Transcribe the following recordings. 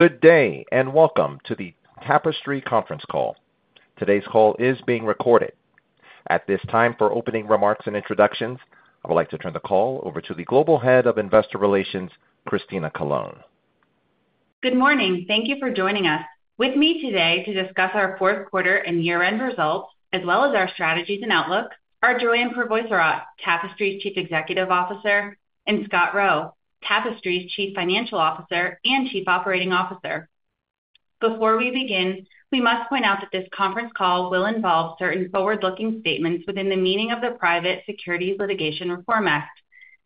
Good day, and welcome to the Tapestry conference call. Today's call is being recorded. At this time, for opening remarks and introductions, I would like to turn the call over to the Global Head of Investor Relations, Christina Colone. Good morning. Thank you for joining us. With me today to discuss our fourth quarter and year-end results, as well as our strategies and outlook, are Joanne Crevoiserat, Tapestry's Chief Executive Officer, and Scott Roe, Tapestry's Chief Financial Officer and Chief Operating Officer. Before we begin, we must point out that this conference call will involve certain forward-looking statements within the meaning of the Private Securities Litigation Reform Act.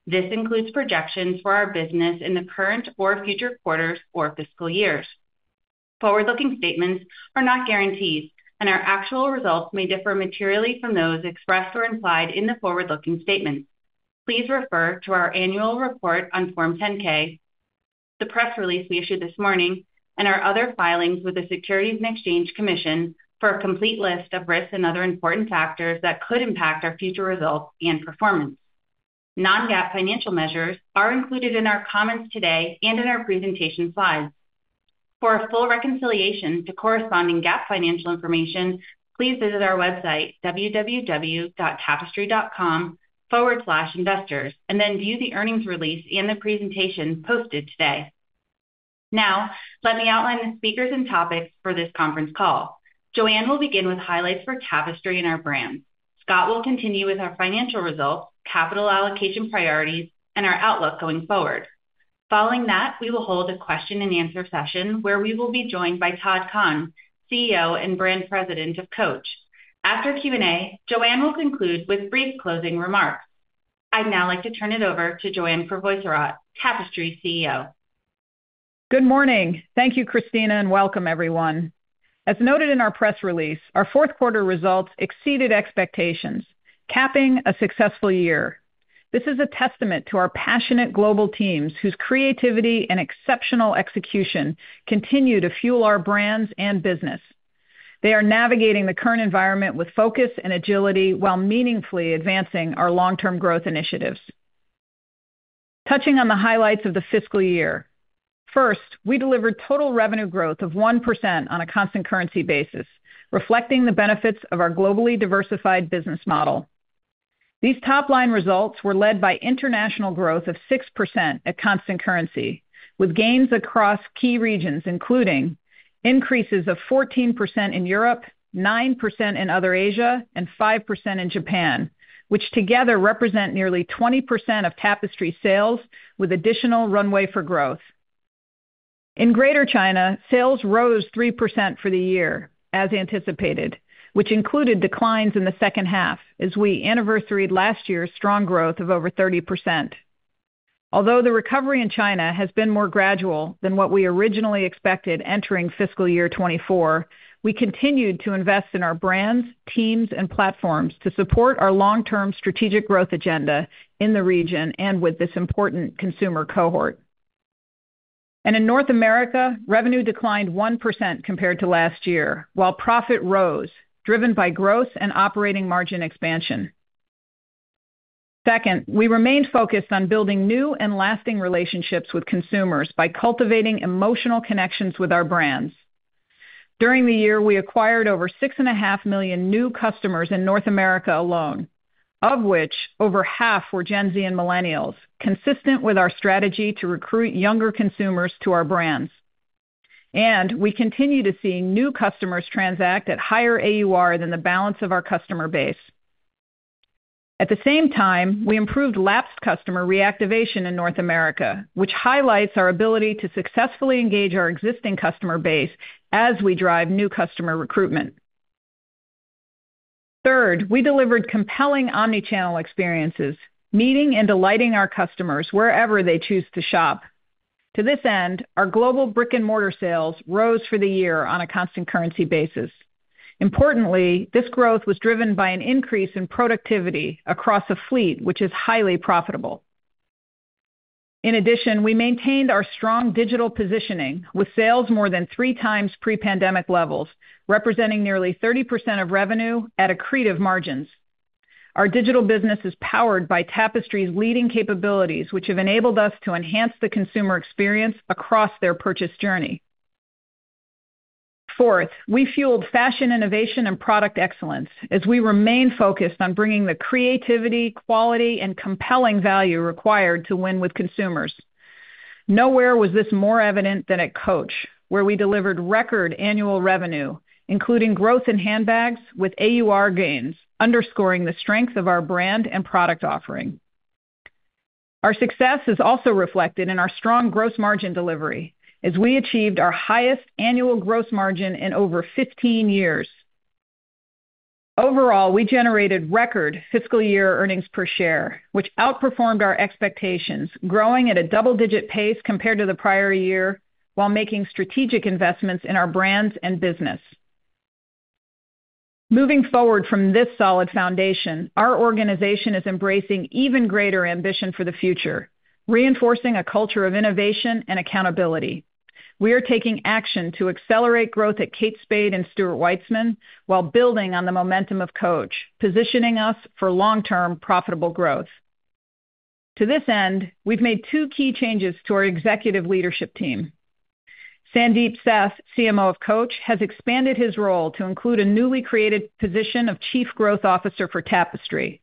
This includes projections for our business in the current or future quarters or fiscal years. Forward-looking statements are not guarantees, and our actual results may differ materially from those expressed or implied in the forward-looking statements. Please refer to our annual report on Form 10-K, the press release we issued this morning, and our other filings with the Securities and Exchange Commission for a complete Lyst of risks and other important factors that could impact our future results and performance. Non-GAAP financial measures are included in our comments today and in our presentation slides. For a full reconciliation to corresponding GAAP financial information, please visit our website, www.tapestry.com/investors, and then view the earnings release and the presentation posted today. Now, let me outline the speakers and topics for this conference call. Joanne will begin with highlights for Tapestry and our brands. Scott will continue with our financial results, capital allocation priorities, and our outlook going forward. Following that, we will hold a question-and-answer session, where we will be joined by Todd Kahn, CEO and Brand President of Coach. After Q&A, Joanne will conclude with brief closing remarks. I'd now like to turn it over to Joanne Crevoiserat, Tapestry's CEO. Good morning. Thank you, Christina, and welcome, everyone. As noted in our press release, our fourth quarter results exceeded expectations, capping a successful year. This is a testament to our passionate global teams, whose creativity and exceptional execution continue to fuel our brands and business. They are navigating the current environment with focus and agility while meaningfully advancing our long-term growth initiatives. Touching on the highlights of the fiscal year. First, we delivered total revenue growth of 1% on a constant currency basis, reflecting the benefits of our globally diversified business model. These top-line results were led by international growth of 6% at constant currency, with gains across key regions, including increases of 14% in Europe, 9% in Other Asia, and 5% in Japan, which together represent nearly 20% of Tapestry sales, with additional runway for growth. In Greater China, sales rose 3% for the year, as anticipated, which included declines in the second half as we anniversaried last year's strong growth of over 30%. Although the recovery in China has been more gradual than what we originally expected entering fiscal year 2024, we continued to invest in our brands, teams, and platforms to support our long-term strategic growth agenda in the region and with this important consumer cohort. In North America, revenue declined 1% compared to last year, while profit rose, driven by growth and operating margin expansion. Second, we remained focused on building new and lasting relationships with consumers by cultivating emotional connections with our brands. During the year, we acquired over 6.5 million new customers in North America alone, of which over half were Gen Z and millennials, consistent with our strategy to recruit younger consumers to our brands. We continue to see new customers transact at higher AUR than the balance of our customer base. At the same time, we improved lapsed customer reactivation in North America, which highlights our ability to successfully engage our existing customer base as we drive new customer recruitment. Third, we delivered compelling omni-channel experiences, meeting and delighting our customers wherever they choose to shop. To this end, our global brick-and-mortar sales rose for the year on a constant currency basis. Importantly, this growth was driven by an increase in productivity across a fleet which is highly profitable. In addition, we maintained our strong digital positioning, with sales more than 3x pre-pandemic levels, representing nearly 30% of revenue at accretive margins. Our digital business is powered by Tapestry's leading capabilities, which have enabled us to enhance the consumer experience across their purchase journey. Fourth, we fueled fashion, innovation, and product excellence as we remain focused on bringing the creativity, quality, and compelling value required to win with consumers. Nowhere was this more evident than at Coach, where we delivered record annual revenue, including growth in handbags with AUR gains, underscoring the strength of our brand and product offering. Our success is also reflected in our strong gross margin delivery as we achieved our highest annual gross margin in over 15 years. Overall, we generated record fiscal year earnings per share, which outperformed our expectations, growing at a double-digit pace compared to the prior year while making strategic investments in our brands and business. Moving forward from this solid foundation, our organization is embracing even greater ambition for the future, reinforcing a culture of innovation and accountability. We are taking action to accelerate growth at Kate Spade and Stuart Weitzman while building on the momentum of Coach, positioning us for long-term profitable growth. To this end, we've made two key changes to our executive leadership team. Sandeep Seth, CMO of Coach, has expanded his role to include a newly created position of Chief Growth Officer for Tapestry.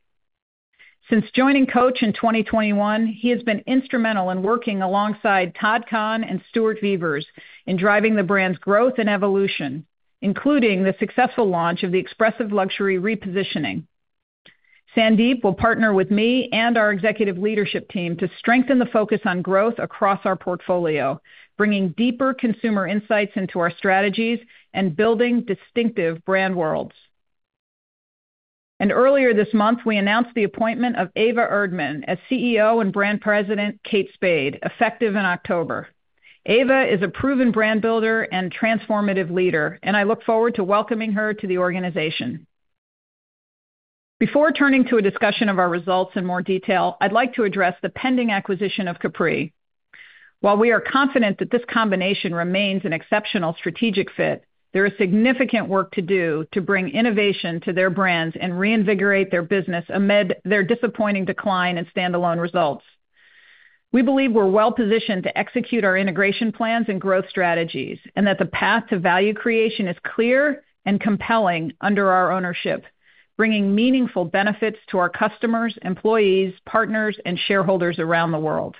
Since joining Coach in 2021, he has been instrumental in working alongside Todd Kahn and Stuart Vevers in driving the brand's growth and evolution, including the successful launch of the Expressive Luxury repositioning. Sandeep will partner with me and our executive leadership team to strengthen the focus on growth across our portfolio, bringing deeper consumer insights into our strategies and building distinctive brand worlds. Earlier this month, we announced the appointment of Eva Erdmann as CEO and Brand President, Kate Spade, effective in October. Eva is a proven brand builder and transformative leader, and I look forward to welcoming her to the organization. Before turning to a discussion of our results in more detail, I'd like to address the pending acquisition of Capri. While we are confident that this combination remains an exceptional strategic fit, there is significant work to do to bring innovation to their brands and reinvigorate their business amid their disappointing decline in standalone results. We believe we're well-positioned to execute our integration plans and growth strategies, and that the path to value creation is clear and compelling under our ownership, bringing meaningful benefits to our customers, employees, partners, and shareholders around the world.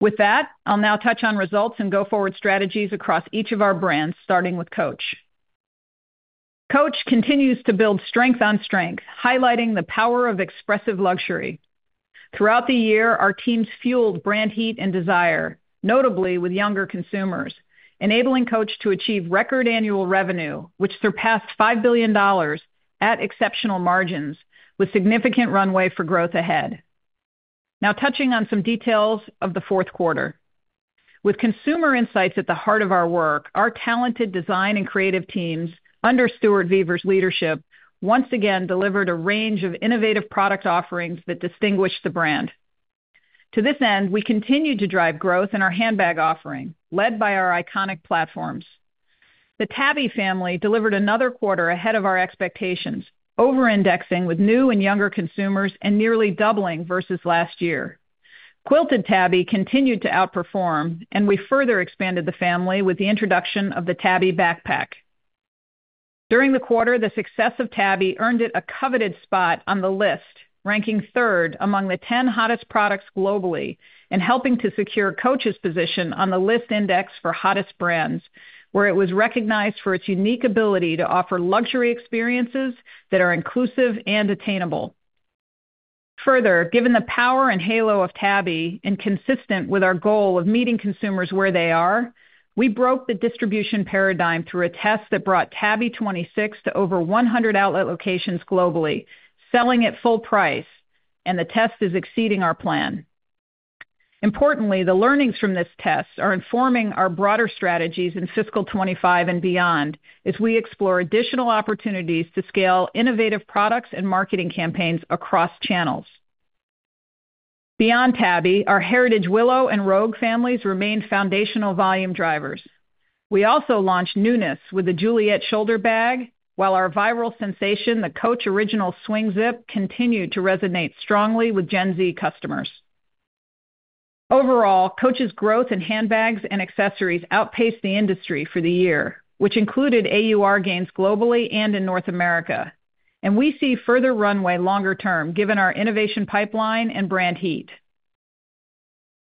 With that, I'll now touch on results and go-forward strategies across each of our brands, starting with Coach. Coach continues to build strength on strength, highlighting the power of expressive luxury. Throughout the year, our teams fueled brand heat and desire, notably with younger consumers, enabling Coach to achieve record annual revenue, which surpassed $5 billion at exceptional margins, with significant runway for growth ahead. Now touching on some details of the fourth quarter. With consumer insights at the heart of our work, our talented design and creative teams, under Stuart Vevers' leadership, once again delivered a range of innovative product offerings that distinguish the brand. To this end, we continued to drive growth in our handbag offering, led by our iconic platforms. The Tabby family delivered another quarter ahead of our expectations, over-indexing with new and younger consumers and nearly doubling versus last year. Quilted Tabby continued to outperform, and we further expanded the family with the introduction of the Tabby backpack. During the quarter, the success of Tabby earned it a coveted spot on the Lyst, ranking third among the ten hottest products globally and helping to secure Coach's position on the Lyst index for hottest brands, where it was recognized for its unique ability to offer luxury experiences that are inclusive and attainable. Further, given the power and halo of Tabby and consistent with our goal of meeting consumers where they are, we broke the distribution paradigm through a test that brought Tabby 26 to over 100 outlet locations globally, selling at full price, and the test is exceeding our plan. Importantly, the learnings from this test are informing our broader strategies in fiscal 2025 and beyond, as we explore additional opportunities to scale innovative products and marketing campaigns across channels. Beyond Tabby, our heritage Willow and Rogue families remained foundational volume drivers. We also launched newness with the Juliet shoulder bag, while our viral sensation, the Coach Originals Swing Zip, continued to resonate strongly with Gen Z customers. Overall, Coach's growth in handbags and accessories outpaced the industry for the year, which included AUR gains globally and in North America, and we see further runway longer term, given our innovation pipeline and brand heat.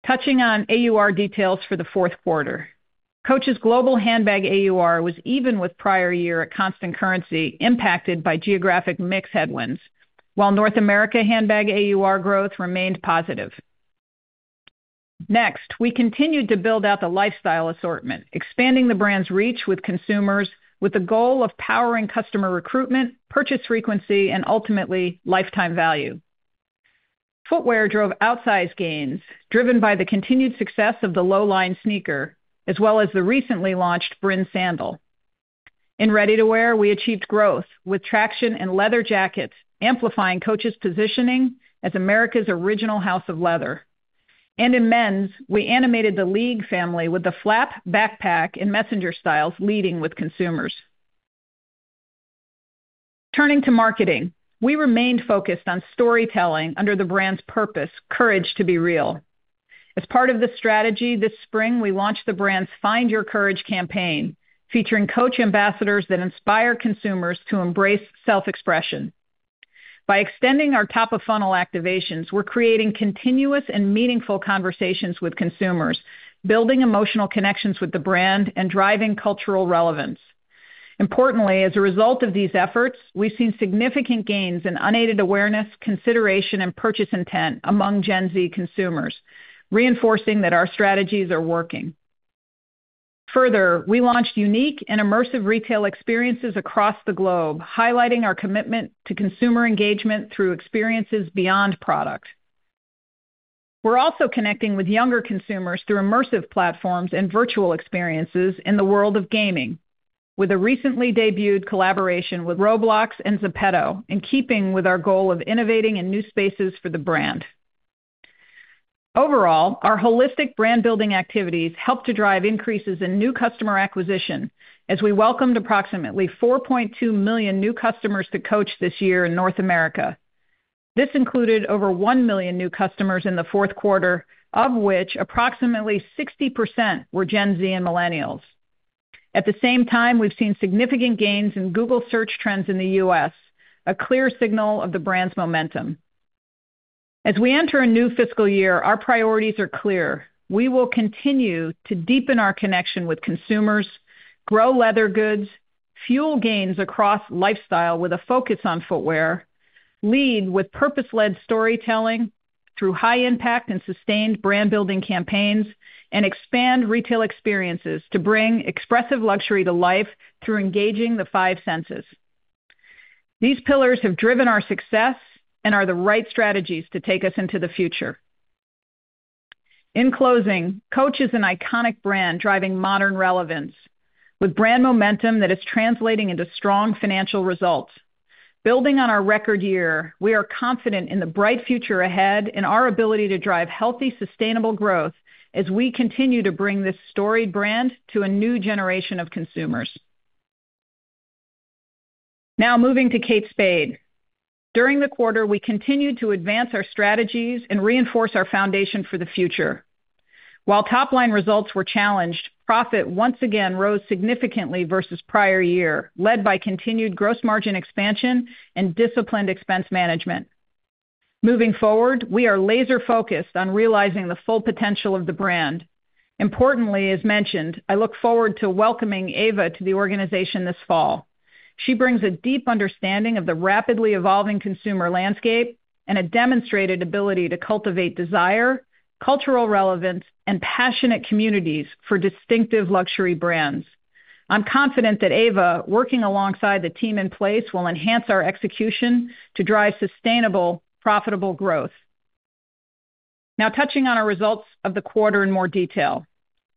Touching on AUR details for the fourth quarter. Coach's global handbag AUR was even with prior year at constant currency, impacted by geographic mix headwinds, while North America handbag AUR growth remained positive. Next, we continued to build out the lifestyle assortment, expanding the brand's reach with consumers with the goal of powering customer recruitment, purchase frequency, and ultimately, lifetime value. Footwear drove outsized gains, driven by the continued success of the Lowline sneaker, as well as the recently launched Brynn sandal. In ready-to-wear, we achieved growth with traction in leather jackets, amplifying Coach's positioning as America's original house of leather. In men's, we animated the League family with the flap backpack and messenger styles leading with consumers. Turning to marketing, we remained focused on storytelling under the brand's purpose, Courage to Be Real. As part of the strategy, this spring, we launched the brand's Find Your Courage campaign, featuring Coach ambassadors that inspire consumers to embrace self-expression. By extending our top-of-funnel activations, we're creating continuous and meaningful conversations with consumers, building emotional connections with the brand, and driving cultural relevance. Importantly, as a result of these efforts, we've seen significant gains in unaided awareness, consideration, and purchase intent among Gen Z consumers, reinforcing that our strategies are working. Further, we launched unique and immersive retail experiences across the globe, highlighting our commitment to consumer engagement through experiences beyond product. We're also connecting with younger consumers through immersive platforms and virtual experiences in the world of gaming, with a recently debuted collaboration with Roblox and ZEPETO, in keeping with our goal of innovating in new spaces for the brand. Overall, our holistic brand building activities helped to drive increases in new customer acquisition as we welcomed approximately 4.2 million new customers to Coach this year in North America. This included over 1 million new customers in the fourth quarter, of which approximately 60% were Gen Z and millennials. At the same time, we've seen significant gains in Google Search trends in the U.S., a clear signal of the brand's momentum. As we enter a new fiscal year, our priorities are clear. We will continue to deepen our connection with consumers, grow leather goods, fuel gains across lifestyle with a focus on footwear, lead with purpose-led storytelling through high impact and sustained brand-building campaigns, and expand retail experiences to bring expressive luxury to life through engaging the five senses. These pillars have driven our success and are the right strategies to take us into the future. In closing, Coach is an iconic brand, driving modern relevance with brand momentum that is translating into strong financial results. Building on our record year, we are confident in the bright future ahead and our ability to drive healthy, sustainable growth as we continue to bring this storied brand to a new generation of consumers. Now moving to Kate Spade. During the quarter, we continued to advance our strategies and reinforce our foundation for the future. While top-line results were challenged, profit once again rose significantly versus prior year, led by continued gross margin expansion and disciplined expense management. Moving forward, we are laser-focused on realizing the full potential of the brand. Importantly, as mentioned, I look forward to welcoming Eva to the organization this fall. She brings a deep understanding of the rapidly evolving consumer landscape and a demonstrated ability to cultivate desire, cultural relevance, and passionate communities for distinctive luxury brands. I'm confident that Eva, working alongside the team in place, will enhance our execution to drive sustainable, profitable growth. Now touching on our results of the quarter in more detail.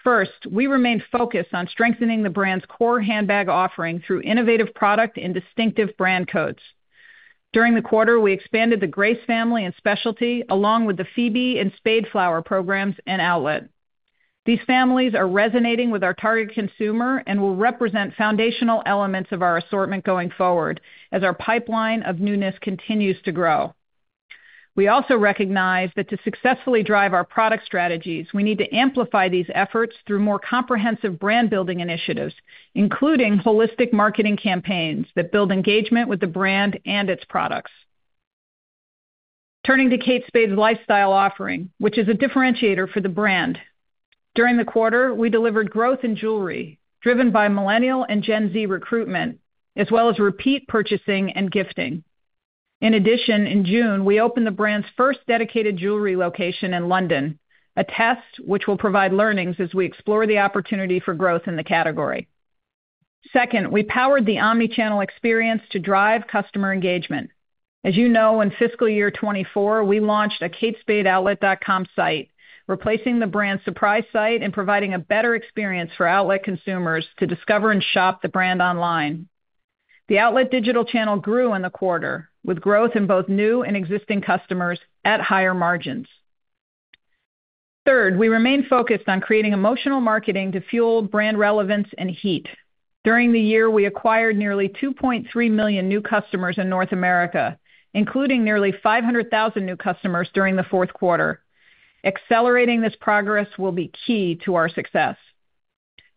First, we remained focused on strengthening the brand's core handbag offering through innovative product and distinctive brand codes. During the quarter, we expanded the Grace family and specialty, along with the Phoebe and Spade Flower programs and outlet. These families are resonating with our target consumer and will represent foundational elements of our assortment going forward, as our pipeline of newness continues to grow. We also recognize that to successfully drive our product strategies, we need to amplify these efforts through more comprehensive brand-building initiatives, including holistic marketing campaigns that build engagement with the brand and its products. Turning to Kate Spade's lifestyle offering, which is a differentiator for the brand. During the quarter, we delivered growth in jewelry, driven by millennial and Gen Z recruitment, as well as repeat purchasing and gifting. In addition, in June, we opened the brand's first dedicated jewelry location in London, a test which will provide learnings as we explore the opportunity for growth in the category. Second, we powered the omni-channel experience to drive customer engagement. As you know, in fiscal year 2024, we launched a katespadeoutlet.com site, replacing the brand's surprise site and providing a better experience for outlet consumers to discover and shop the brand online. The outlet digital channel grew in the quarter, with growth in both new and existing customers at higher margins. Third, we remained focused on creating emotional marketing to fuel brand relevance and heat. During the year, we acquired nearly 2.3 million new customers in North America, including nearly 500,000 new customers during the fourth quarter. Accelerating this progress will be key to our success.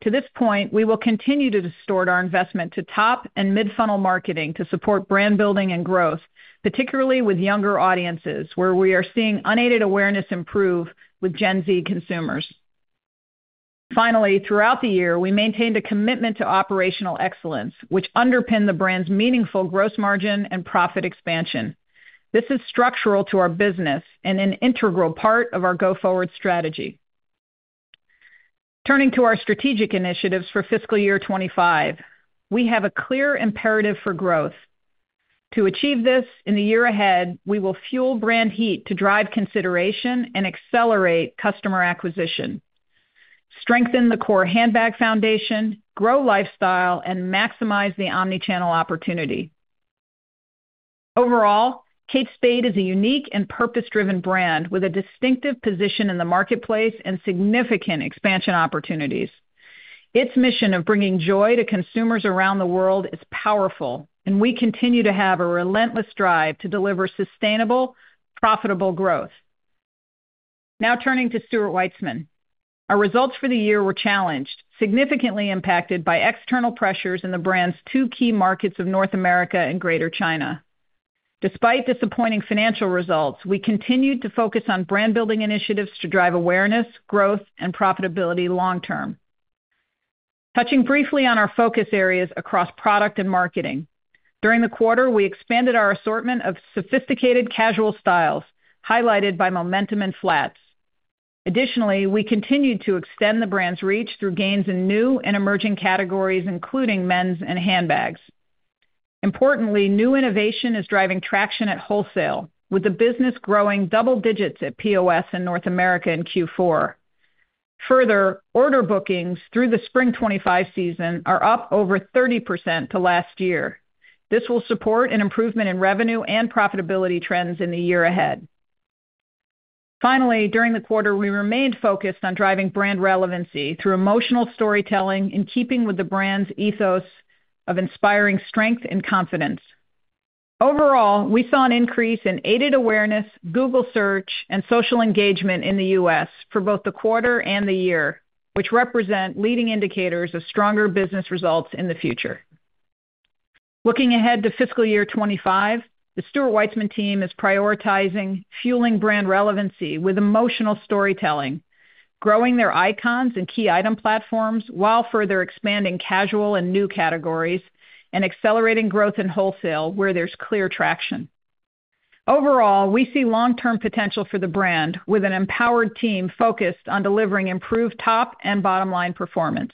To this point, we will continue to distort our investment to top and mid-funnel marketing to support brand building and growth, particularly with younger audiences, where we are seeing unaided awareness improve with Gen Z consumers. Finally, throughout the year, we maintained a commitment to operational excellence, which underpinned the brand's meaningful gross margin and profit expansion. This is structural to our business and an integral part of our go-forward strategy. Turning to our strategic initiatives for fiscal year 25. We have a clear imperative for growth. To achieve this, in the year ahead, we will fuel brand heat to drive consideration and accelerate customer acquisition, strengthen the core handbag foundation, grow lifestyle, and maximize the omni-channel opportunity. Overall, Kate Spade is a unique and purpose-driven brand with a distinctive position in the marketplace and significant expansion opportunities. Its mission of bringing joy to consumers around the world is powerful, and we continue to have a relentless drive to deliver sustainable, profitable growth. Now turning to Stuart Weitzman. Our results for the year were challenged, significantly impacted by external pressures in the brand's two key markets of North America and Greater China. Despite disappointing financial results, we continued to focus on brand-building initiatives to drive awareness, growth, and profitability long term. Touching briefly on our focus areas across product and marketing. During the quarter, we expanded our assortment of sophisticated casual styles, highlighted by momentum in flats. Additionally, we continued to extend the brand's reach through gains in new and emerging categories, including men's and handbags. Importantly, new innovation is driving traction at wholesale, with the business growing double digits at POS in North America in Q4. Further, order bookings through the spring 2025 season are up over 30% to last year. This will support an improvement in revenue and profitability trends in the year ahead. Finally, during the quarter, we remained focused on driving brand relevancy through emotional storytelling, in keeping with the brand's ethos of inspiring strength and confidence. Overall, we saw an increase in aided awareness, Google search, and social engagement in the U.S. for both the quarter and the year, which represent leading indicators of stronger business results in the future. Looking ahead to fiscal year 2025, the Stuart Weitzman team is prioritizing fueling brand relevancy with emotional storytelling, growing their icons and key item platforms, while further expanding casual and new categories, and accelerating growth in wholesale, where there's clear traction. Overall, we see long-term potential for the brand, with an empowered team focused on delivering improved top and bottom line performance.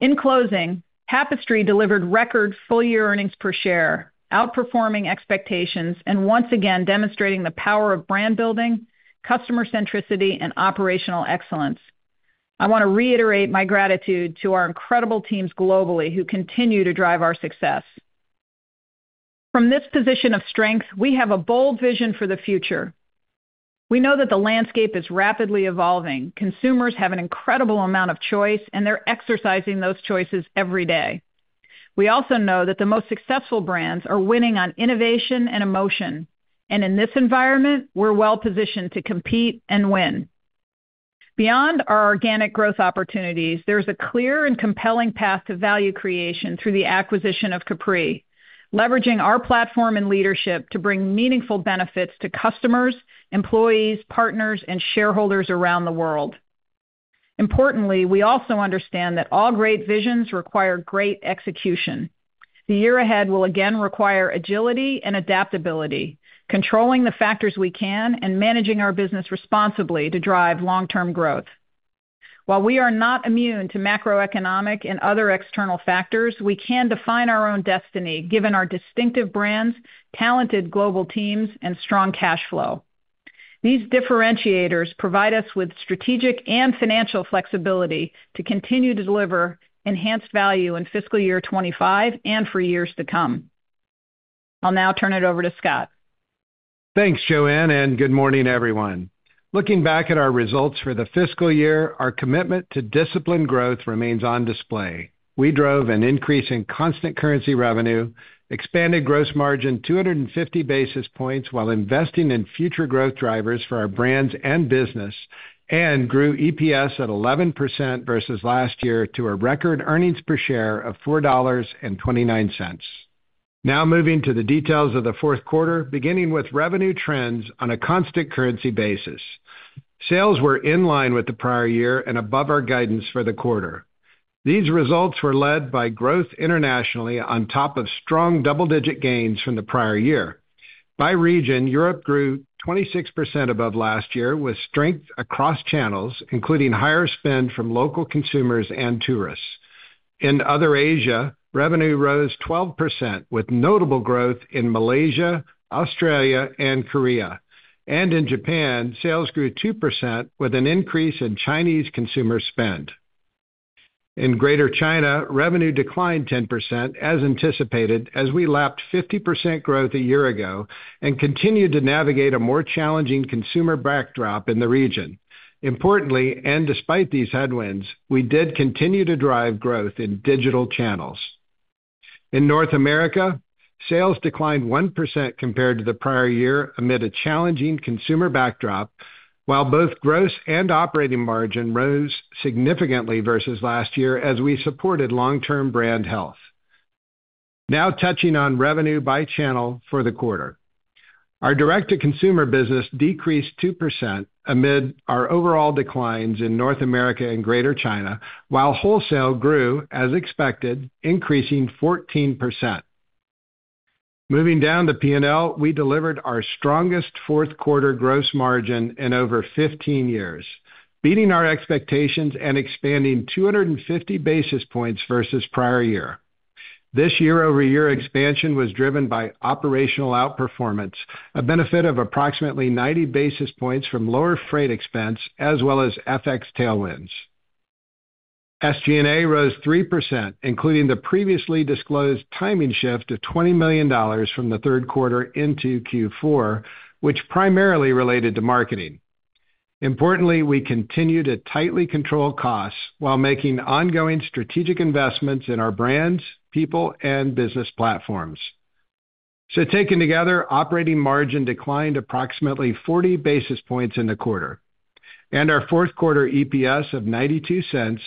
In closing, Tapestry delivered record full-year earnings per share, outperforming expectations, and once again, demonstrating the power of brand building, customer centricity, and operational excellence. I want to reiterate my gratitude to our incredible teams globally, who continue to drive our success. From this position of strength, we have a bold vision for the future. We know that the landscape is rapidly evolving. Consumers have an incredible amount of choice, and they're exercising those choices every day. We also know that the most successful brands are winning on innovation and emotion, and in this environment, we're well-positioned to compete and win. Beyond our organic growth opportunities, there is a clear and compelling path to value creation through the acquisition of Capri, leveraging our platform and leadership to bring meaningful benefits to customers, employees, partners, and shareholders around the world. Importantly, we also understand that all great visions require great execution. The year ahead will again require agility and adaptability, controlling the factors we can, and managing our business responsibly to drive long-term growth. While we are not immune to macroeconomic and other external factors, we can define our own destiny, given our distinctive brands, talented global teams, and strong cash flow. These differentiators provide us with strategic and financial flexibility to continue to deliver enhanced value in fiscal year 25 and for years to come. I'll now turn it over to Scott. Thanks, Joanne, and good morning, everyone. Looking back at our results for the fiscal year, our commitment to disciplined growth remains on display. We drove an increase in constant currency revenue, expanded gross margin 250 basis points while investing in future growth drivers for our brands and business, and grew EPS at 11% versus last year to a record earnings per share of $4.29. Now moving to the details of the fourth quarter, beginning with revenue trends on a constant currency basis. Sales were in line with the prior year and above our guidance for the quarter. These results were led by growth internationally on top of strong double-digit gains from the prior year. By region, Europe grew 26% above last year, with strength across channels, including higher spend from local consumers and tourists. In Other Asia, revenue rose 12%, with notable growth in Malaysia, Australia, and Korea. In Japan, sales grew 2% with an increase in Chinese consumer spend. In Greater China, revenue declined 10%, as anticipated, as we lapped 50% growth a year ago and continued to navigate a more challenging consumer backdrop in the region. Importantly, and despite these headwinds, we did continue to drive growth in digital channels. In North America, sales declined 1% compared to the prior year amid a challenging consumer backdrop, while both gross and operating margin rose significantly versus last year as we supported long-term brand health. Now touching on revenue by channel for the quarter. Our direct-to-consumer business decreased 2% amid our overall declines in North America and Greater China, while wholesale grew, as expected, increasing 14%. Moving down to P&L, we delivered our strongest fourth quarter gross margin in over 15 years, beating our expectations and expanding 250 basis points versus prior year. This year-over-year expansion was driven by operational outperformance, a benefit of approximately 90 basis points from lower freight expense, as well as FX tailwinds. SG&A rose 3%, including the previously disclosed timing shift of $20 million from the third quarter into Q4, which primarily related to marketing. Importantly, we continue to tightly control costs while making ongoing strategic investments in our brands, people, and business platforms. So taken together, operating margin declined approximately 40 basis points in the quarter, and our fourth quarter EPS of $0.92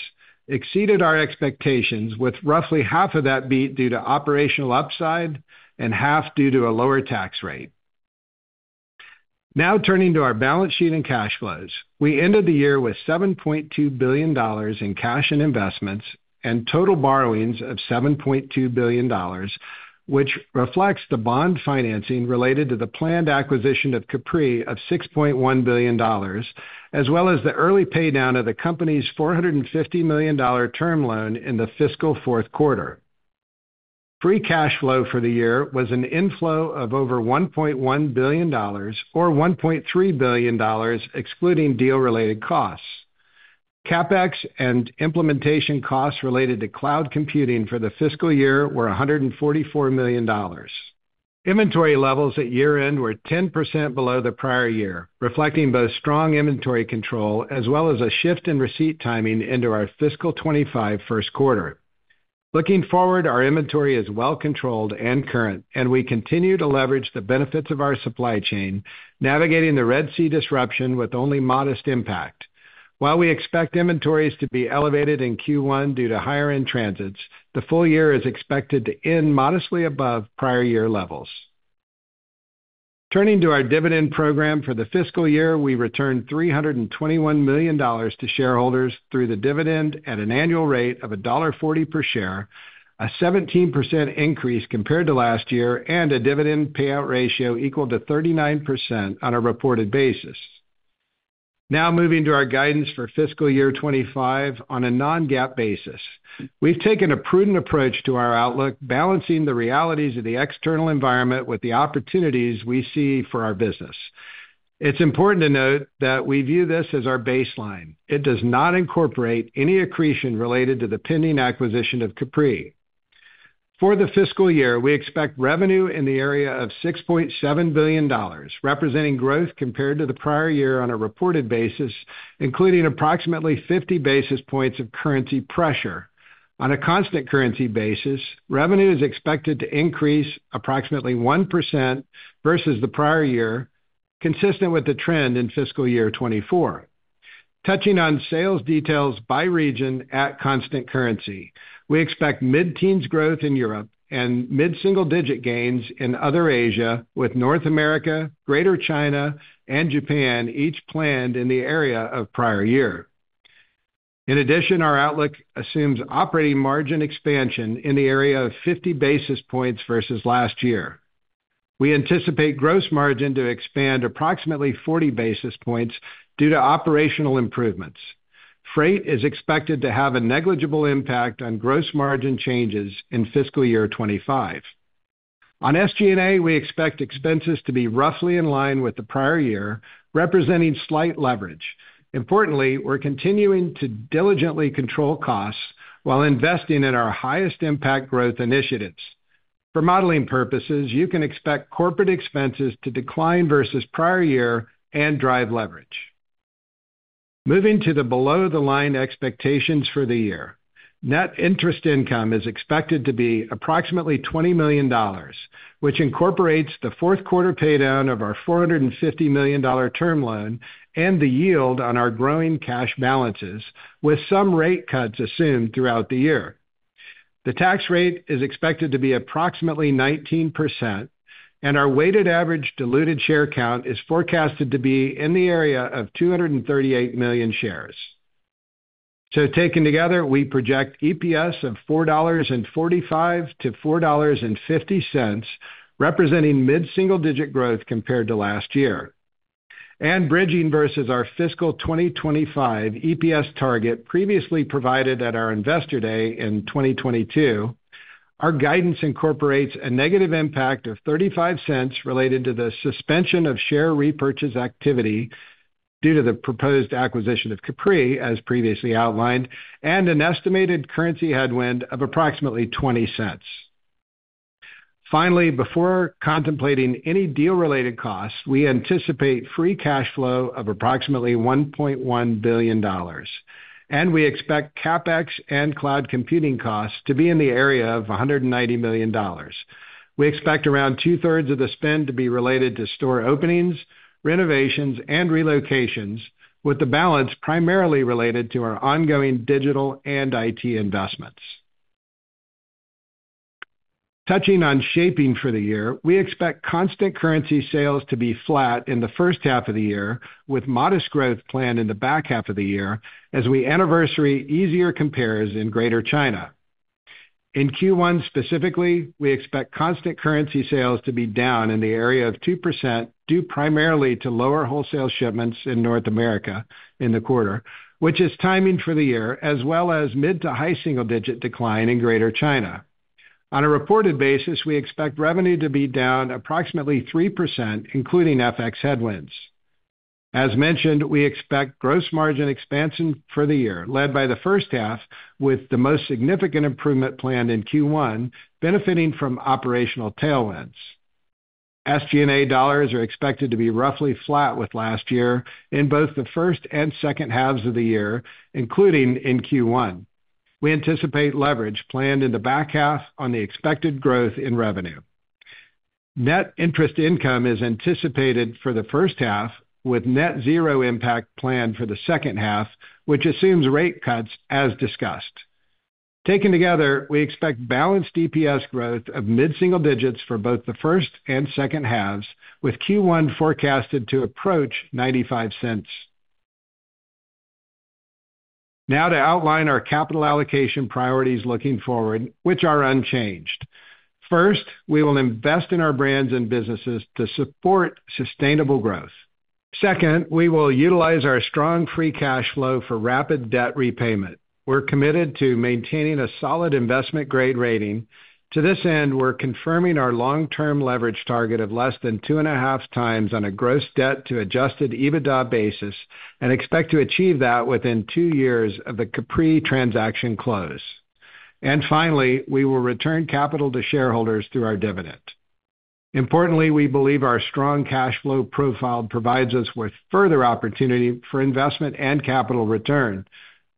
exceeded our expectations, with roughly half of that beat due to operational upside and half due to a lower tax rate. Now turning to our balance sheet and cash flows. We ended the year with $7.2 billion in cash and investments and total borrowings of $7.2 billion, which reflects the bond financing related to the planned acquisition of Capri of $6.1 billion, as well as the early paydown of the company's $450 million term loan in the fiscal fourth quarter. Free cash flow for the year was an inflow of over $1.1 billion, or $1.3 billion, excluding deal-related costs. CapEx and implementation costs related to cloud computing for the fiscal year were $144 million. Inventory levels at year-end were 10% below the prior year, reflecting both strong inventory control as well as a shift in receipt timing into our fiscal 2025 first quarter. Looking forward, our inventory is well controlled and current, and we continue to leverage the benefits of our supply chain, navigating the Red Sea disruption with only modest impact. While we expect inventories to be elevated in Q1 due to higher-end transits, the full year is expected to end modestly above prior year levels. Turning to our dividend program for the fiscal year, we returned $321 million to shareholders through the dividend at an annual rate of $1.40 per share, a 17% increase compared to last year, and a dividend payout ratio equal to 39% on a reported basis. Now moving to our guidance for fiscal year 2025 on a non-GAAP basis. We've taken a prudent approach to our outlook, balancing the realities of the external environment with the opportunities we see for our business. It's important to note that we view this as our baseline. It does not incorporate any accretion related to the pending acquisition of Capri. For the fiscal year, we expect revenue in the area of $6.7 billion, representing growth compared to the prior year on a reported basis, including approximately 50 basis points of currency pressure. On a constant currency basis, revenue is expected to increase approximately 1% versus the prior year, consistent with the trend in fiscal year 2024. Touching on sales details by region at constant currency, we expect mid-teens growth in Europe and mid-single-digit gains in Other Asia, with North America, Greater China, and Japan each planned in the area of prior year. In addition, our outlook assumes operating margin expansion in the area of 50 basis points versus last year. We anticipate gross margin to expand approximately 40 basis points due to operational improvements. Freight is expected to have a negligible impact on gross margin changes in fiscal year 2025. On SG&A, we expect expenses to be roughly in line with the prior year, representing slight leverage. Importantly, we're continuing to diligently control costs while investing in our highest impact growth initiatives. For modeling purposes, you can expect corporate expenses to decline versus prior year and drive leverage. Moving to the below-the-line expectations for the year. Net interest income is expected to be approximately $20 million, which incorporates the fourth quarter paydown of our $450 million term loan and the yield on our growing cash balances, with some rate cuts assumed throughout the year. The tax rate is expected to be approximately 19%, and our weighted average diluted share count is forecasted to be in the area of 238 million shares. So taken together, we project EPS of $4.45-$4.50, representing mid-single-digit growth compared to last year. And bridging versus our fiscal 2025 EPS target previously provided at our Investor Day in 2022, our guidance incorporates a negative impact of $0.35 related to the suspension of share repurchase activity due to the proposed acquisition of Capri, as previously outlined, and an estimated currency headwind of approximately $0.20. Finally, before contemplating any deal-related costs, we anticipate free cash flow of approximately $1.1 billion, and we expect CapEx and cloud computing costs to be in the area of $190 million. We expect around two-thirds of the spend to be related to store openings, renovations, and relocations, with the balance primarily related to our ongoing digital and IT investments. Touching on shaping for the year, we expect constant currency sales to be flat in the first half of the year, with modest growth planned in the back half of the year as we anniversary easier compares in Greater China. In Q1, specifically, we expect constant currency sales to be down in the area of 2%, due primarily to lower wholesale shipments in North America in the quarter, which is timing for the year, as well as mid- to high-single-digit decline in Greater China. On a reported basis, we expect revenue to be down approximately 3%, including FX headwinds. As mentioned, we expect gross margin expansion for the year, led by the first half, with the most significant improvement planned in Q1, benefiting from operational tailwinds. SG&A dollars are expected to be roughly flat with last year in both the first and second halves of the year, including in Q1. We anticipate leverage planned in the back half on the expected growth in revenue. Net interest income is anticipated for the first half, with net zero impact planned for the second half, which assumes rate cuts as discussed. Taken together, we expect balanced EPS growth of mid-single digits for both the first and second halves, with Q1 forecasted to approach $0.95. Now to outline our capital allocation priorities looking forward, which are unchanged. First, we will invest in our brands and businesses to support sustainable growth.... Second, we will utilize our strong free cash flow for rapid debt repayment. We're committed to maintaining a solid investment-grade rating. To this end, we're confirming our long-term leverage target of less than 2.5 times on a gross debt to adjusted EBITDA basis, and expect to achieve that within 2 years of the Capri transaction close. Finally, we will return capital to shareholders through our dividend. Importantly, we believe our strong cash flow profile provides us with further opportunity for investment and capital return.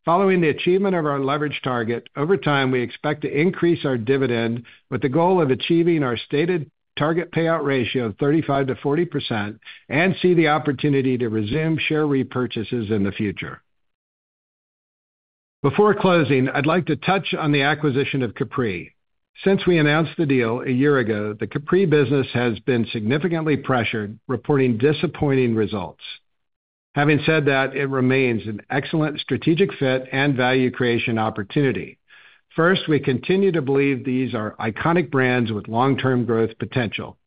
Following the achievement of our leverage target, over time, we expect to increase our dividend, with the goal of achieving our stated target payout ratio of 35%-40%, and see the opportunity to resume share repurchases in the future. Before closing, I'd like to touch on the acquisition of Capri. Since we announced the deal a year ago, the Capri business has been significantly pressured, reporting disappointing results. Having said that, it remains an excellent strategic fit and value creation opportunity. First, we continue to believe these are iconic brands with long-term growth potential.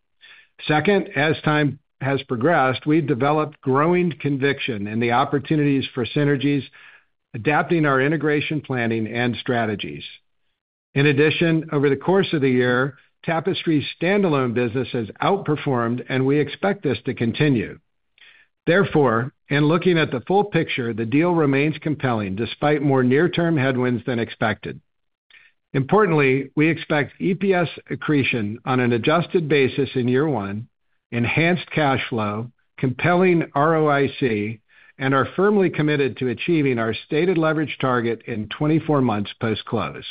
Second, as time has progressed, we've developed growing conviction in the opportunities for synergies, adapting our integration planning and strategies. In addition, over the course of the year, Tapestry's standalone business has outperformed, and we expect this to continue. Therefore, in looking at the full picture, the deal remains compelling despite more near-term headwinds than expected. Importantly, we expect EPS accretion on an adjusted basis in year one, enhanced cash flow, compelling ROIC, and are firmly committed to achieving our stated leverage target in 24 months post-close.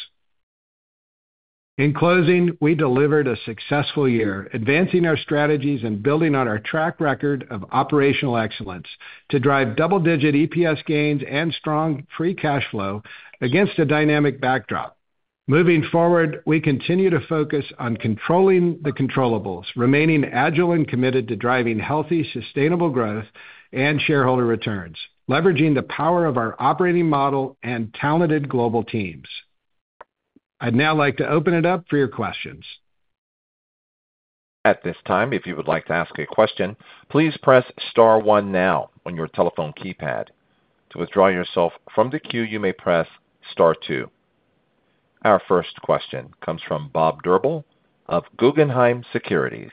In closing, we delivered a successful year, advancing our strategies and building on our track record of operational excellence to drive double-digit EPS gains and strong free cash flow against a dynamic backdrop. Moving forward, we continue to focus on controlling the controllables, remaining agile and committed to driving healthy, sustainable growth and shareholder returns, leveraging the power of our operating model and talented global teams. I'd now like to open it up for your questions. At this time, if you would like to ask a question, please press star one now on your telephone keypad. To withdraw yourself from the queue, you may press star two. Our first question comes from Bob Drbul of Guggenheim Securities.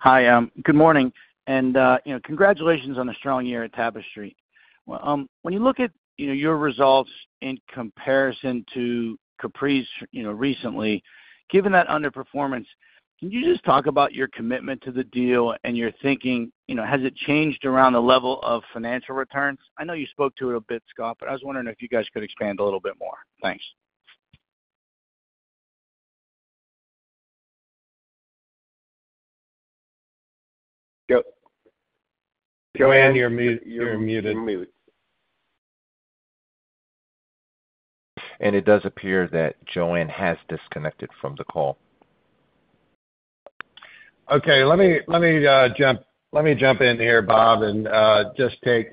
Hi, good morning, and, you know, congratulations on a strong year at Tapestry. Well, when you look at, you know, your results in comparison to Capri's, you know, recently, given that underperformance, can you just talk about your commitment to the deal and your thinking? You know, has it changed around the level of financial returns? I know you spoke to it a bit, Scott, but I was wondering if you guys could expand a little bit more. Thanks. Joanne, you're muted. It does appear that Joanne has disconnected from the call. Okay, let me jump in here, Bob, and just take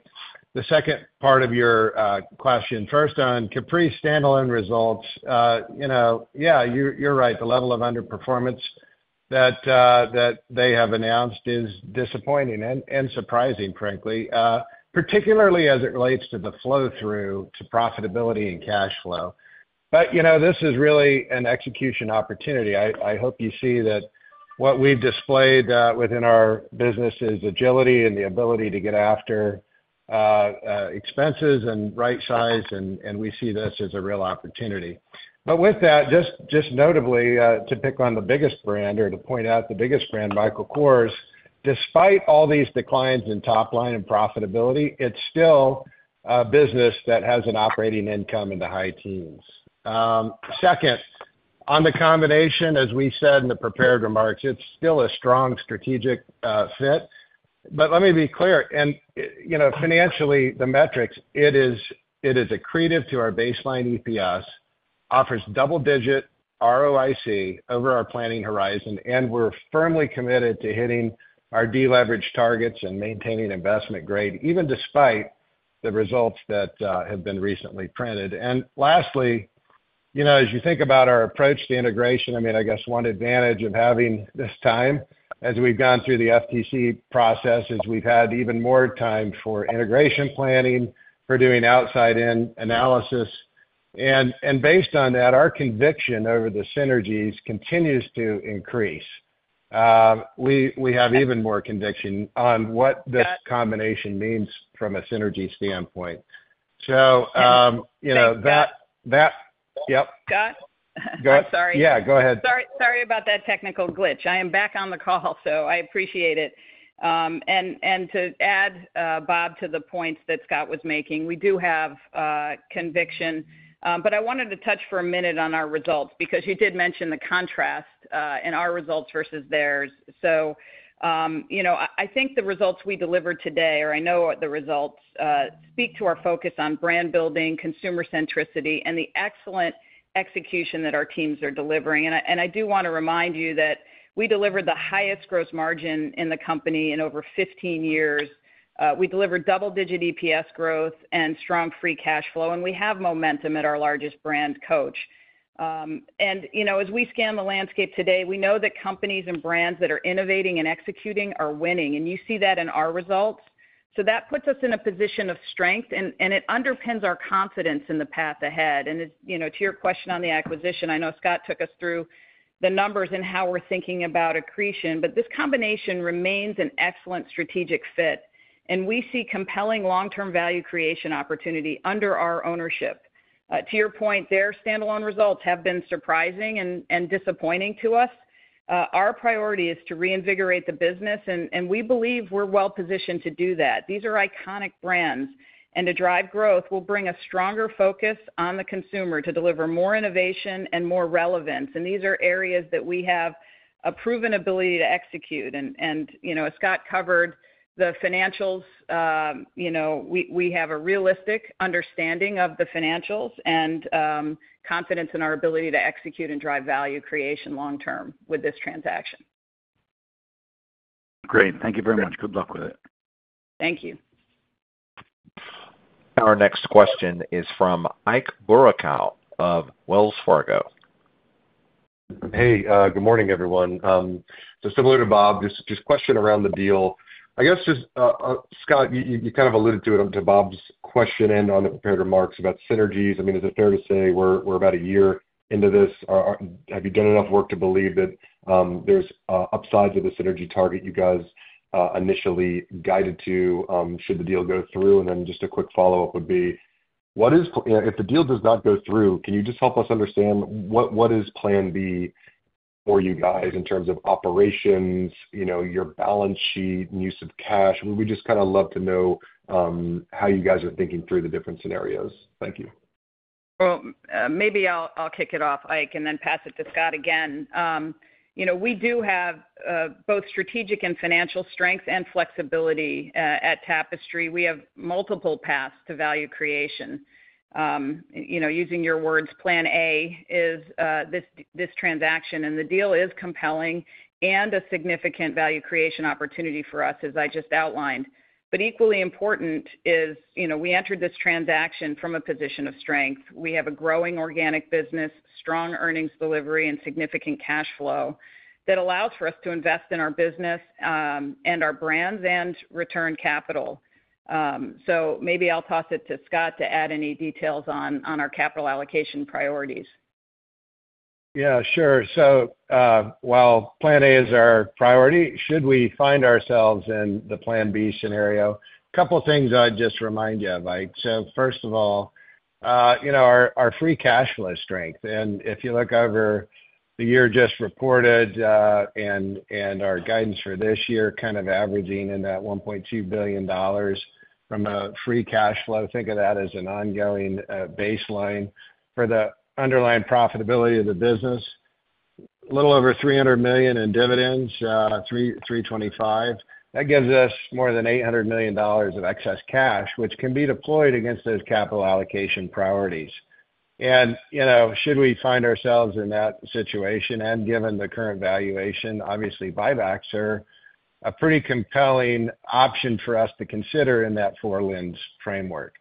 the second part of your question. First, on Capri's standalone results, you know, yeah, you're right. The level of underperformance that they have announced is disappointing and surprising, frankly, particularly as it relates to the flow-through to profitability and cash flow. But, you know, this is really an execution opportunity. I hope you see that what we've displayed within our business is agility and the ability to get after expenses and right size, and we see this as a real opportunity. But with that, just, just notably, to pick on the biggest brand or to point out the biggest brand, Michael Kors, despite all these declines in top line and profitability, it's still a business that has an operating income in the high teens. Second, on the combination, as we said in the prepared remarks, it's still a strong strategic fit. But let me be clear, and, you know, financially, the metrics, it is, it is accretive to our baseline EPS, offers double-digit ROIC over our planning horizon, and we're firmly committed to hitting our deleverage targets and maintaining investment grade, even despite the results that have been recently printed. And lastly, you know, as you think about our approach to integration, I mean, I guess one advantage of having this time, as we've gone through the FTC process, is we've had even more time for integration planning, for doing outside-in analysis. And based on that, our conviction over the synergies continues to increase. We have even more conviction on what this combination means from a synergy standpoint. So, you know, that... Yep. Scott? Go ahead. I'm sorry. Yeah, go ahead. Sorry, sorry about that technical glitch. I am back on the call, so I appreciate it. And to add, Bob, to the points that Scott was making, we do have conviction. But I wanted to touch for a minute on our results, because you did mention the contrast in our results versus theirs. So, you know, I think the results we delivered today, or I know the results, speak to our focus on brand building, consumer centricity, and the excellent execution that our teams are delivering. And I do wanna remind you that we delivered the highest gross margin in the company in over 15 years. We delivered double-digit EPS growth and strong free cash flow, and we have momentum at our largest brand, Coach. And, you know, as we scan the landscape today, we know that companies and brands that are innovating and executing are winning, and you see that in our results. So that puts us in a position of strength, and it underpins our confidence in the path ahead. And, you know, to your question on the acquisition, I know Scott took us through the numbers and how we're thinking about accretion, but this combination remains an excellent strategic fit, and we see compelling long-term value creation opportunity under our ownership. To your point, their standalone results have been surprising and disappointing to us. Our priority is to reinvigorate the business, and we believe we're well positioned to do that. These are iconic brands, and to drive growth will bring a stronger focus on the consumer to deliver more innovation and more relevance. These are areas that we have a proven ability to execute. You know, as Scott covered the financials, you know, we have a realistic understanding of the financials and confidence in our ability to execute and drive value creation long term with this transaction. Great. Thank you very much. Good luck with it. Thank you. Our next question is from Ike Boruchow of Wells Fargo. Hey, good morning, everyone. So similar to Bob, just a question around the deal. I guess, Scott, you kind of alluded to it, to Bob's question and on the prepared remarks about synergies. I mean, is it fair to say we're about a year into this? Have you done enough work to believe that there's upsides of the synergy target you guys initially guided to, should the deal go through? And then just a quick follow-up would be, what is, if the deal does not go through, can you just help us understand what is plan B for you guys in terms of operations, you know, your balance sheet and use of cash? We just kind of love to know how you guys are thinking through the different scenarios. Thank you. Well, maybe I'll kick it off, Ike, and then pass it to Scott again. You know, we do have both strategic and financial strength and flexibility at Tapestry. We have multiple paths to value creation. You know, using your words, plan A is this transaction, and the deal is compelling and a significant value creation opportunity for us, as I just outlined. But equally important is, you know, we entered this transaction from a position of strength. We have a growing organic business, strong earnings delivery, and significant cash flow that allows for us to invest in our business and our brands and return capital. So maybe I'll toss it to Scott to add any details on our capital allocation priorities. Yeah, sure. So, while plan A is our priority, should we find ourselves in the plan B scenario? A couple of things I'd just remind you, Ike. So first of all, you know, our free cash flow is strength. And if you look over the year just reported, and our guidance for this year, kind of averaging in that $1.2 billion from a free cash flow, think of that as an ongoing baseline for the underlying profitability of the business. A little over $300 million in dividends, 325. That gives us more than $800 million of excess cash, which can be deployed against those capital allocation priorities. You know, should we find ourselves in that situation, and given the current valuation, obviously, buybacks are a pretty compelling option for us to consider in that four lens framework.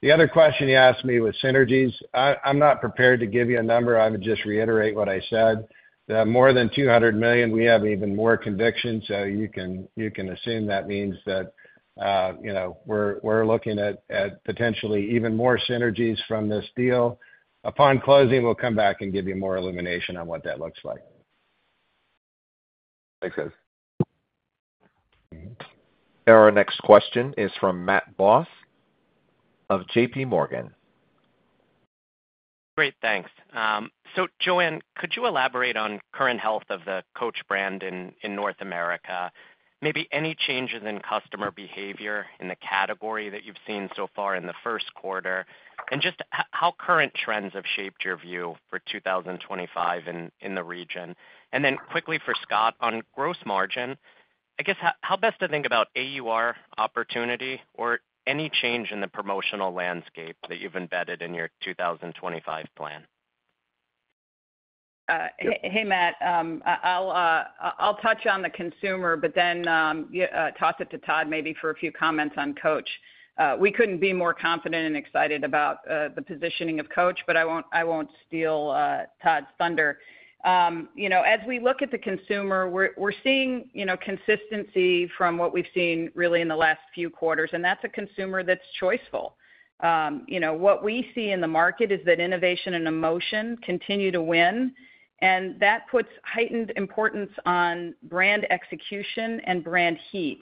The other question you asked me was synergies. I'm not prepared to give you a number. I would just reiterate what I said. More than $200 million, we have even more conviction, so you can, you can assume that means that, you know, we're, we're looking at, at potentially even more synergies from this deal. Upon closing, we'll come back and give you more illumination on what that looks like. Thanks, guys. Our next question is from Matt Boss of J.P. Morgan. Great, thanks. So Joanne, could you elaborate on current health of the Coach brand in North America? Maybe any changes in customer behavior in the category that you've seen so far in the first quarter, and just how current trends have shaped your view for 2025 in the region? And then quickly for Scott, on gross margin, I guess, how best to think about AUR opportunity or any change in the promotional landscape that you've embedded in your 2025 plan? Hey, Matt. I'll touch on the consumer, but then, yeah, toss it to Todd, maybe for a few comments on Coach. We couldn't be more confident and excited about the positioning of Coach, but I won't steal Todd's thunder. You know, as we look at the consumer, we're seeing, you know, consistency from what we've seen really in the last few quarters, and that's a consumer that's choiceful. You know, what we see in the market is that innovation and emotion continue to win, and that puts heightened importance on brand execution and brand heat.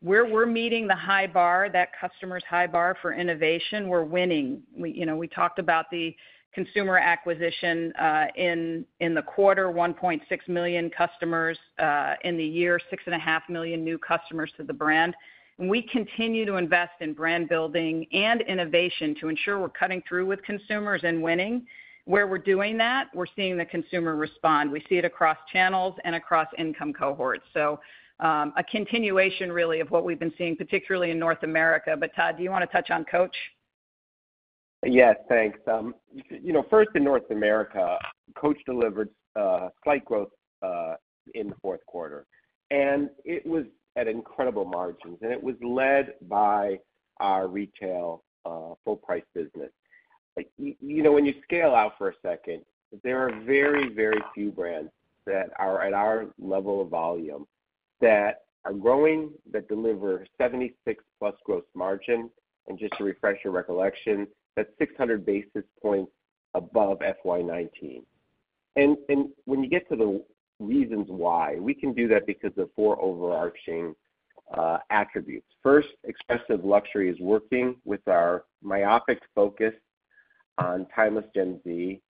Where we're meeting the high bar, that customer's high bar for innovation, we're winning. We, you know, we talked about the consumer acquisition in the quarter, 1.6 million customers in the year, 6.5 million new customers to the brand. And we continue to invest in brand building and innovation to ensure we're cutting through with consumers and winning. Where we're doing that, we're seeing the consumer respond. We see it across channels and across income cohorts. So, a continuation, really, of what we've been seeing, particularly in North America. But Todd, do you want to touch on Coach? ... Yes, thanks. You know, first in North America, Coach delivered slight growth in the fourth quarter, and it was at incredible margins, and it was led by our retail full-price business. You know, when you scale out for a second, there are very, very few brands that are at our level of volume that are growing, that deliver 76+ gross margin. And just to refresh your recollection, that's 600 basis points above FY 2019. And when you get to the reasons why, we can do that because of four overarching attributes. First, expressive luxury is working with our myopic focus on timeless Gen Z.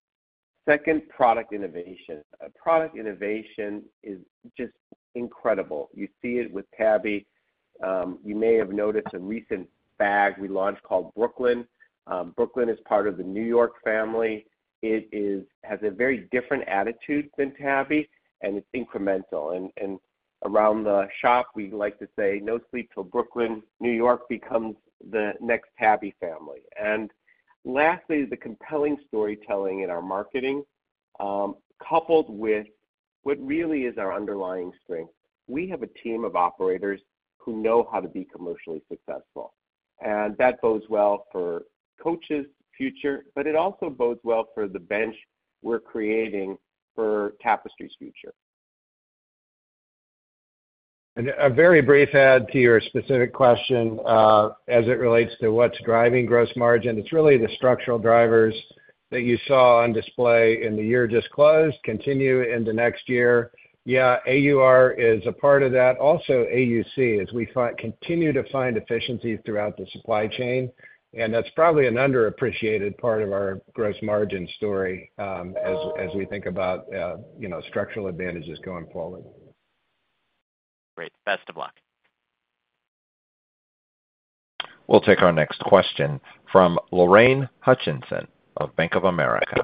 Second, product innovation. Product innovation is just incredible. You see it with Tabby. You may have noticed a recent bag we launched called Brooklyn. Brooklyn is part of the New York family. It has a very different attitude than Tabby, and it's incremental. And around the shop, we like to say, "No sleep till Brooklyn." New York becomes the next Tabby family. And lastly, the compelling storytelling in our marketing, coupled with what really is our underlying strength. We have a team of operators who know how to be commercially successful, and that bodes well for Coach's future, but it also bodes well for the bench we're creating for Tapestry's future. And a very brief add to your specific question, as it relates to what's driving gross margin. It's really the structural drivers that you saw on display in the year just closed, continue into next year. Yeah, AUR is a part of that, also AUC, as we continue to find efficiencies throughout the supply chain, and that's probably an underappreciated part of our gross margin story, as we think about, you know, structural advantages going forward. Great. Best of luck. We'll take our next question from Lorraine Hutchinson of Bank of America.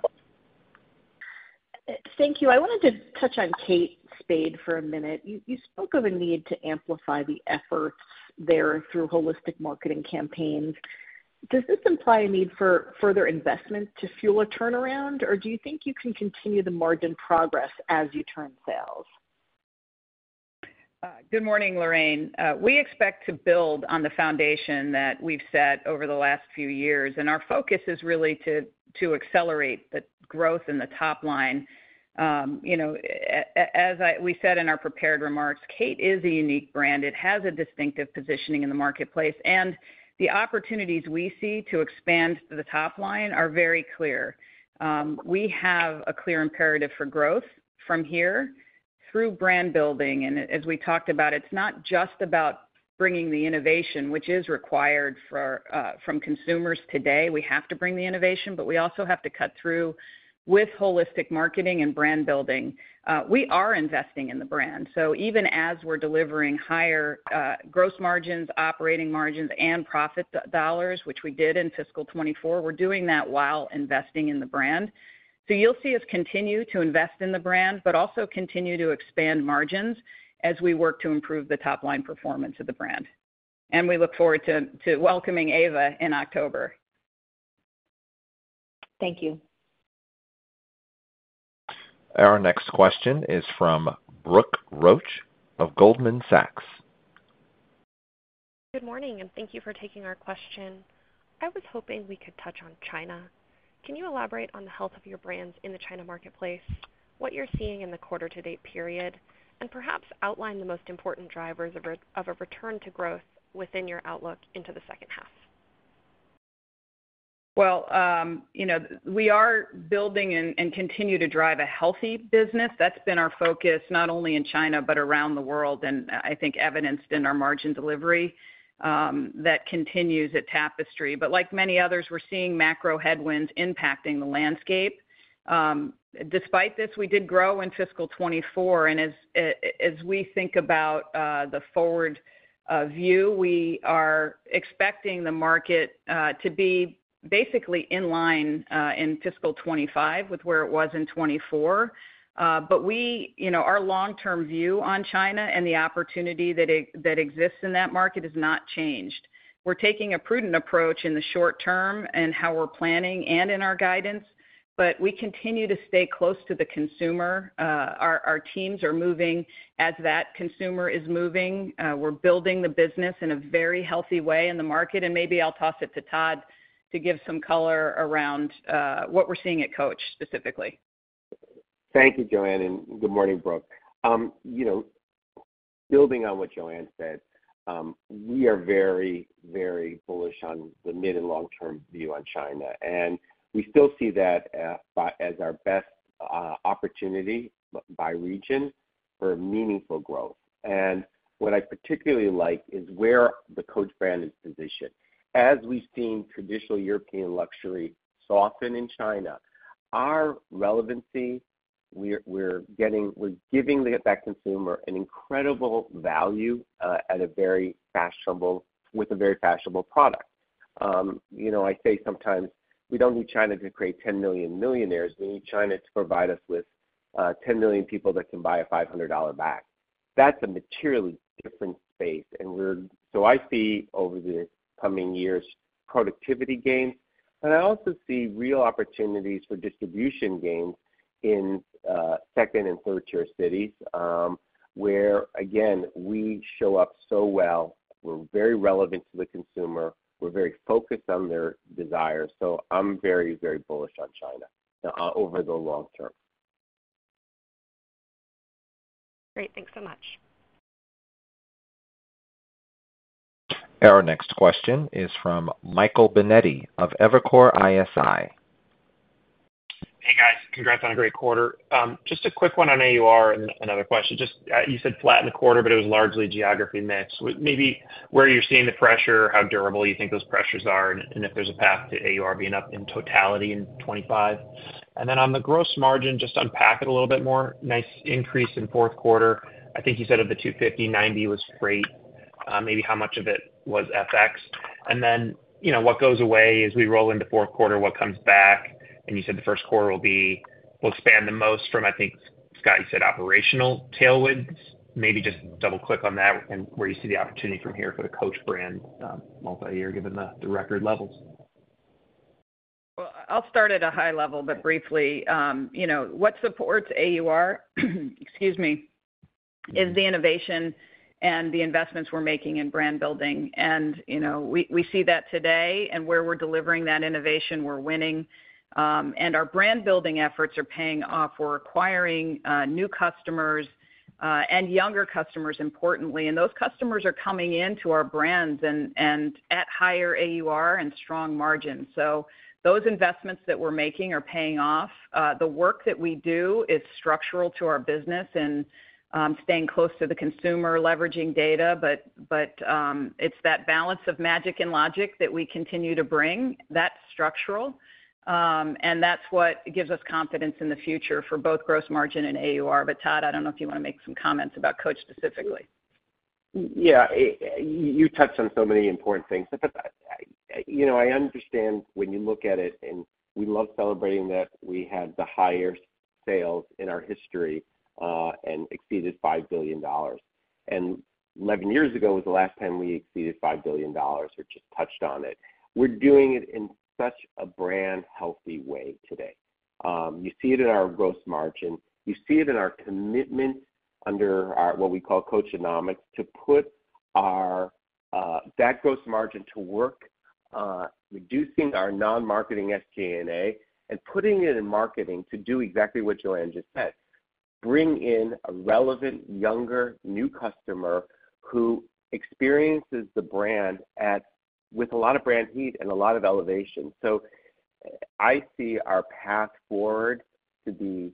Thank you. I wanted to touch on Kate Spade for a minute. You spoke of a need to amplify the efforts there through holistic marketing campaigns. Does this imply a need for further investment to fuel a turnaround, or do you think you can continue the margin progress as you turn sales? Good morning, Lorraine. We expect to build on the foundation that we've set over the last few years, and our focus is really to accelerate the growth in the top line. You know, as we said in our prepared remarks, Kate is a unique brand. It has a distinctive positioning in the marketplace, and the opportunities we see to expand the top line are very clear. We have a clear imperative for growth from here through brand building, and as we talked about, it's not just about bringing the innovation, which is required from consumers today. We have to bring the innovation, but we also have to cut through with holistic marketing and brand building. We are investing in the brand, so even as we're delivering higher gross margins, operating margins, and profit dollars, which we did in fiscal 2024, we're doing that while investing in the brand. So you'll see us continue to invest in the brand, but also continue to expand margins as we work to improve the top-line performance of the brand. And we look forward to welcoming Eva in October. Thank you. Our next question is from Brooke Roach of Goldman Sachs. Good morning, and thank you for taking our question. I was hoping we could touch on China. Can you elaborate on the health of your brands in the China marketplace, what you're seeing in the quarter to date period, and perhaps outline the most important drivers of a return to growth within your outlook into the second half? Well, you know, we are building and continue to drive a healthy business. That's been our focus, not only in China, but around the world, and I think evidenced in our margin delivery, that continues at Tapestry. But like many others, we're seeing macro headwinds impacting the landscape. Despite this, we did grow in fiscal 2024, and as we think about the forward view, we are expecting the market to be basically in line in fiscal 2025 with where it was in 2024. But you know, our long-term view on China and the opportunity that exists in that market has not changed. We're taking a prudent approach in the short term in how we're planning and in our guidance, but we continue to stay close to the consumer. Our teams are moving as that consumer is moving. We're building the business in a very healthy way in the market, and maybe I'll toss it to Todd to give some color around what we're seeing at Coach specifically. Thank you, Joanne, and good morning, Brooke. You know, building on what Joanne said, we are very, very bullish on the mid and long-term view on China, and we still see that as our best opportunity by region for meaningful growth. And what I particularly like is where the Coach brand is positioned. As we've seen traditional European luxury soften in China, our relevancy, we're giving that consumer an incredible value with a very fashionable product. You know, I say sometimes we don't need China to create 10 million millionaires. We need China to provide us with 10 million people that can buy a $500 bag. That's a materially different space, and we're. So I see over the coming years, productivity gains, and I also see real opportunities for distribution gains in second and third-tier cities, where, again, we show up so well. We're very relevant to the consumer. We're very focused on their desires. So I'm very, very bullish on China over the long term. Great. Thanks so much. Our next question is from Michael Binetti of Evercore ISI. Hey, guys. Congrats on a great quarter. Just a quick one on AUR and another question. Just, you said flat in the quarter, but it was largely geography mix. Maybe where you're seeing the pressure, how durable you think those pressures are, and if there's a path to AUR being up in totality in 2025. And then on the gross margin, just unpack it a little bit more. Nice increase in fourth quarter. I think you said of the 250, 90 was freight. Maybe how much of it was FX? And then, you know, what goes away as we roll into fourth quarter, what comes back? And you said the first quarter will be, will expand the most from, I think, Scott, you said, operational tailwinds. Maybe just double-click on that and where you see the opportunity from here for the Coach brand, multi-year, given the record levels. Well, I'll start at a high level, but briefly, you know, what supports AUR, excuse me, is the innovation and the investments we're making in brand building. And, you know, we see that today, and where we're delivering that innovation, we're winning. And our brand-building efforts are paying off. We're acquiring new customers and younger customers, importantly. And those customers are coming into our brands and at higher AUR and strong margins. So those investments that we're making are paying off. The work that we do is structural to our business and staying close to the consumer, leveraging data. But it's that balance of magic and logic that we continue to bring, that's structural. And that's what gives us confidence in the future for both gross margin and AUR. Todd, I don't know if you want to make some comments about Coach specifically. Yeah, you touched on so many important things. But, I, you know, I understand when you look at it, and we love celebrating that we had the highest sales in our history, and exceeded $5 billion. And 11 years ago was the last time we exceeded $5 billion, or just touched on it. We're doing it in such a brand healthy way today. You see it in our gross margin. You see it in our commitment under our, what we call Coachonomics, to put our, that gross margin to work, reducing our non-marketing SG&A, and putting it in marketing to do exactly what Joanne just said: bring in a relevant, younger, new customer who experiences the brand at with a lot of brand heat and a lot of elevation. So I see our path forward to be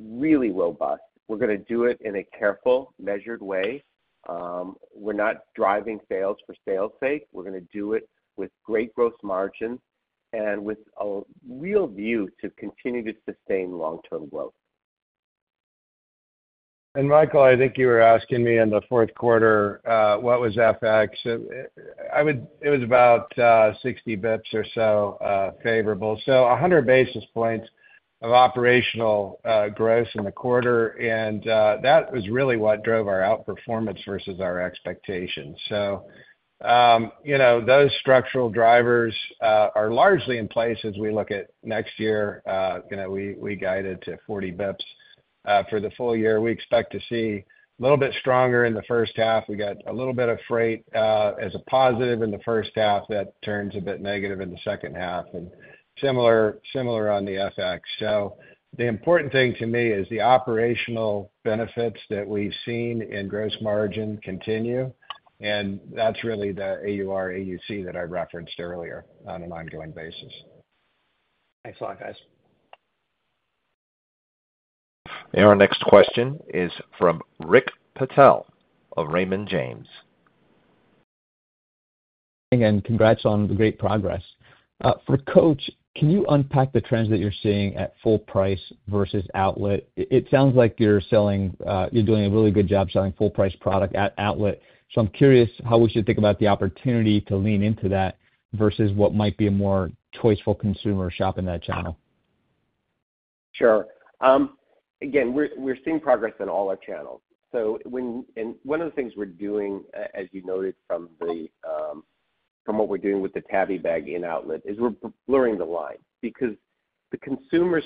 really robust. We're going to do it in a careful, measured way. We're not driving sales for sales' sake. We're going to do it with great gross margin and with a real view to continue to sustain long-term growth. Michael, I think you were asking me in the fourth quarter, what was FX? It was about 60 basis points or so, favorable. So 100 basis points of operational gross in the quarter, and that was really what drove our outperformance versus our expectations. So, you know, those structural drivers are largely in place as we look at next year. You know, we guided to 40 basis points. For the full year, we expect to see a little bit stronger in the first half. We got a little bit of freight as a positive in the first half, that turns a bit negative in the second half, and similar on the FX. So the important thing to me is the operational benefits that we've seen in gross margin continue, and that's really the AUR/AUC that I referenced earlier on an ongoing basis. Thanks a lot, guys. Our next question is from Rick Patel of Raymond James. Congrats on the great progress. For Coach, can you unpack the trends that you're seeing at full price versus outlet? It sounds like you're selling, you're doing a really good job selling full price product at Outlet. So I'm curious how we should think about the opportunity to lean into that versus what might be a more choiceful consumer shop in that channel. Sure. Again, we're seeing progress in all our channels. And one of the things we're doing, as you noted from what we're doing with the Tabby bag in outlet, is we're blurring the line because the consumer's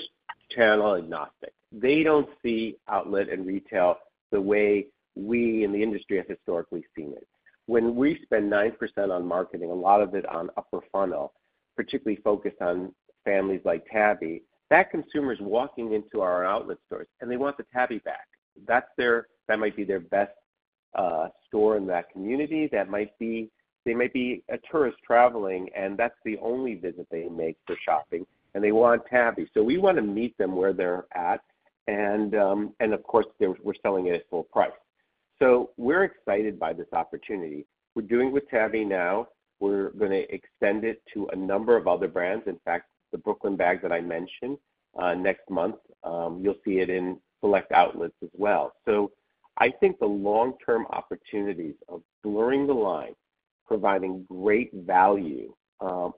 channel-agnostic. They don't see outlet and retail the way we in the industry have historically seen it. When we spend 9% on marketing, a lot of it on upper funnel, particularly focused on families like Tabby, that consumer is walking into our outlet stores, and they want the Tabby bag. That's their. That might be their best store in that community. That might be. They may be a tourist traveling, and that's the only visit they make for shopping, and they want Tabby. So we want to meet them where they're at, and of course, we're selling it at full price. So we're excited by this opportunity. We're doing with Tabby now, we're going to extend it to a number of other brands. In fact, the Brooklyn bag that I mentioned, next month, you'll see it in select outlets as well. So I think the long-term opportunities of blurring the line-... providing great value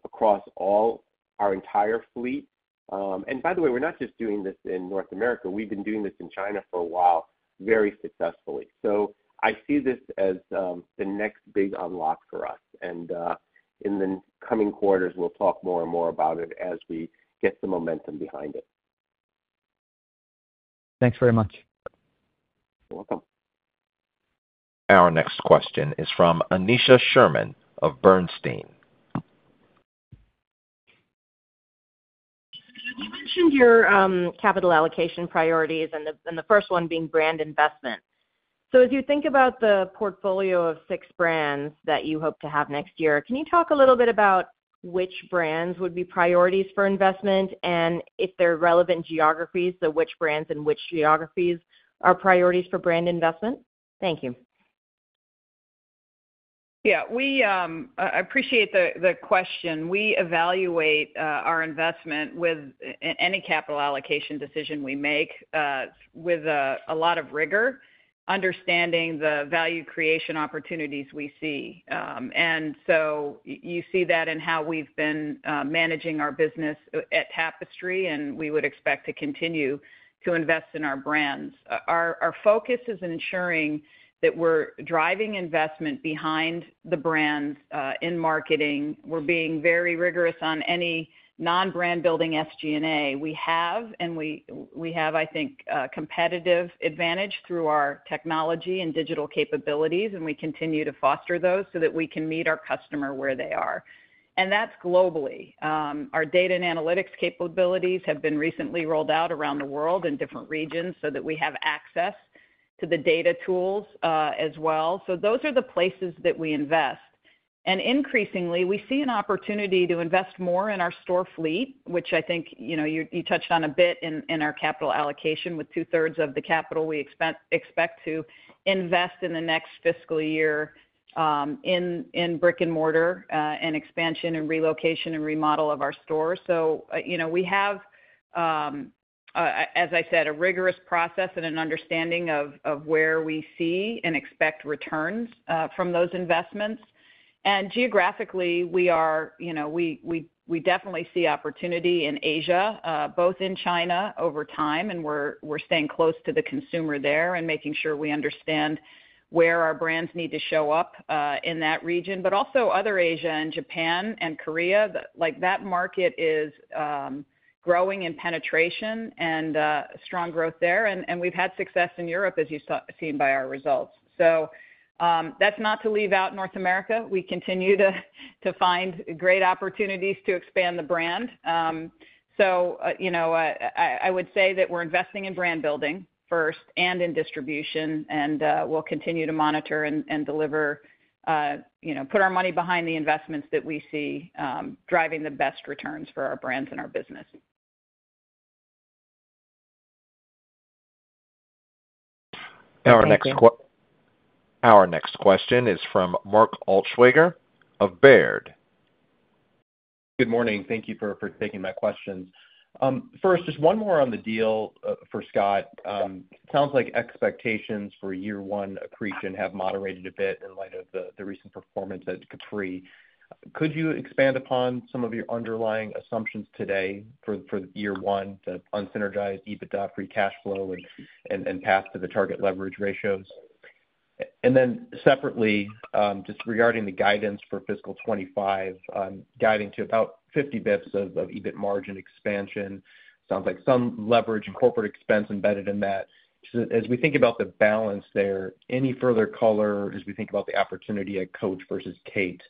across all our entire fleet. And by the way, we're not just doing this in North America, we've been doing this in China for a while, very successfully. So I see this as the next big unlock for us, and in the coming quarters, we'll talk more and more about it as we get the momentum behind it. Thanks very much. You're welcome. Our next question is from Aneesha Sherman of Bernstein. You mentioned your capital allocation priorities and the first one being brand investment. So as you think about the portfolio of six brands that you hope to have next year, can you talk a little bit about which brands would be priorities for investment, and if they're relevant geographies, so which brands and which geographies are priorities for brand investment? Thank you. Yeah, we, I appreciate the question. We evaluate our investment with any capital allocation decision we make with a lot of rigor, understanding the value creation opportunities we see. And so you see that in how we've been managing our business at Tapestry, and we would expect to continue to invest in our brands. Our focus is ensuring that we're driving investment behind the brands in marketing. We're being very rigorous on any non-brand building SG&A. We have, I think, a competitive advantage through our technology and digital capabilities, and we continue to foster those so that we can meet our customer where they are. And that's globally. Our data and analytics capabilities have been recently rolled out around the world in different regions so that we have access to the data tools, as well. So those are the places that we invest. And increasingly, we see an opportunity to invest more in our store fleet, which I think, you know, you, you touched on a bit in our capital allocation, with two-thirds of the capital we expect to invest in the next fiscal year, in brick and mortar, and expansion and relocation and remodel of our stores. So, you know, we have, as I said, a rigorous process and an understanding of where we see and expect returns, from those investments. Geographically, we are, you know, we definitely see opportunity in Asia, both in China over time, and we're staying close to the consumer there and making sure we understand where our brands need to show up in that region. But also Other Asia and Japan and Korea, like, that market is growing in penetration and strong growth there. And we've had success in Europe, as you've seen by our results. So, that's not to leave out North America. We continue to find great opportunities to expand the brand. So, you know, I would say that we're investing in brand building first and in distribution, and we'll continue to monitor and deliver, you know, put our money behind the investments that we see driving the best returns for our brands and our business. Thank you. Our next question is from Mark Altschwager of Baird. Good morning. Thank you for taking my questions. First, just one more on the deal, for Scott. Sounds like expectations for year one accretion have moderated a bit in light of the recent performance at Capri. Could you expand upon some of your underlying assumptions today for year one non-synergized EBITDA, free cash flow, and path to the target leverage ratios? And then separately, just regarding the guidance for fiscal 2025, guiding to about 50 basis points of EBIT margin expansion, sounds like some leverage and corporate expense embedded in that. So as we think about the balance there, any further color as we think about the opportunity at Coach versus Kate?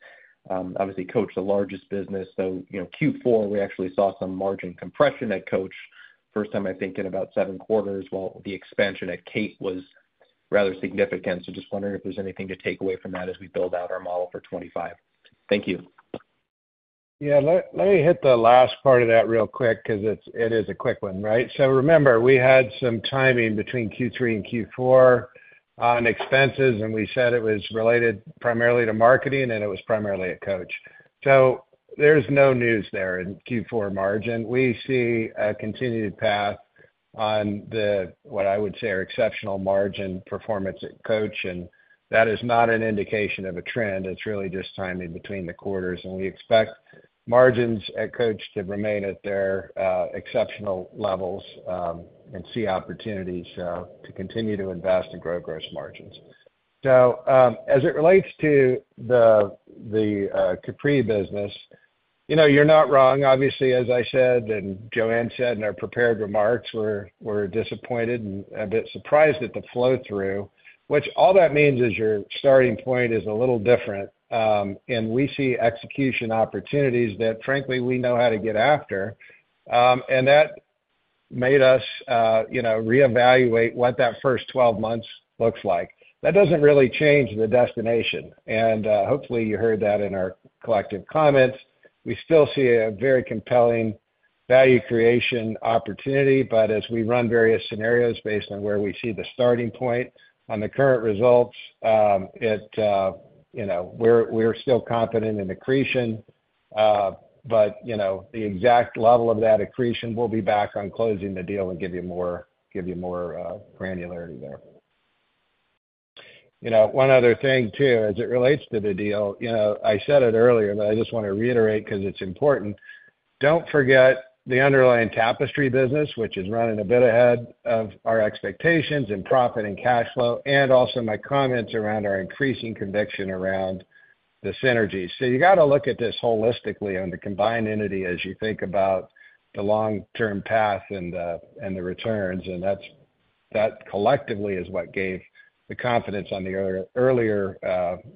Obviously, Coach, the largest business. So, you know, Q4, we actually saw some margin compression at Coach, first time, I think, in about seven quarters, while the expansion at Kate was rather significant. So just wondering if there's anything to take away from that as we build out our model for 2025? Thank you. Yeah, let me hit the last part of that real quick because it is a quick one, right? So remember, we had some timing between Q3 and Q4 on expenses, and we said it was related primarily to marketing, and it was primarily at Coach. So there's no news there in Q4 margin. We see a continued path on the what I would say are exceptional margin performance at Coach, and that is not an indication of a trend. It's really just timing between the quarters. And we expect margins at Coach to remain at their exceptional levels and see opportunities to continue to invest and grow gross margins. So, as it relates to the Capri business, you know, you're not wrong. Obviously, as I said and Joanne said in our prepared remarks, we're disappointed and a bit surprised at the flow-through, which all that means is your starting point is a little different. And we see execution opportunities that, frankly, we know how to get after. And that made us, you know, reevaluate what that first 12 months looks like. That doesn't really change the destination, and hopefully, you heard that in our collective comments. We still see a very compelling value creation opportunity, but as we run various scenarios based on where we see the starting point on the current results, it, you know, we're still confident in accretion.... but, you know, the exact level of that accretion, we'll be back on closing the deal and give you more granularity there. You know, one other thing, too, as it relates to the deal, you know, I said it earlier, but I just want to reiterate 'cause it's important, don't forget the underlying Tapestry business, which is running a bit ahead of our expectations in profit and cash flow, and also my comments around our increasing conviction around the synergy. So you gotta look at this holistically on the combined entity as you think about the long-term path and the, and the returns, and that's that collectively is what gave the confidence on the earlier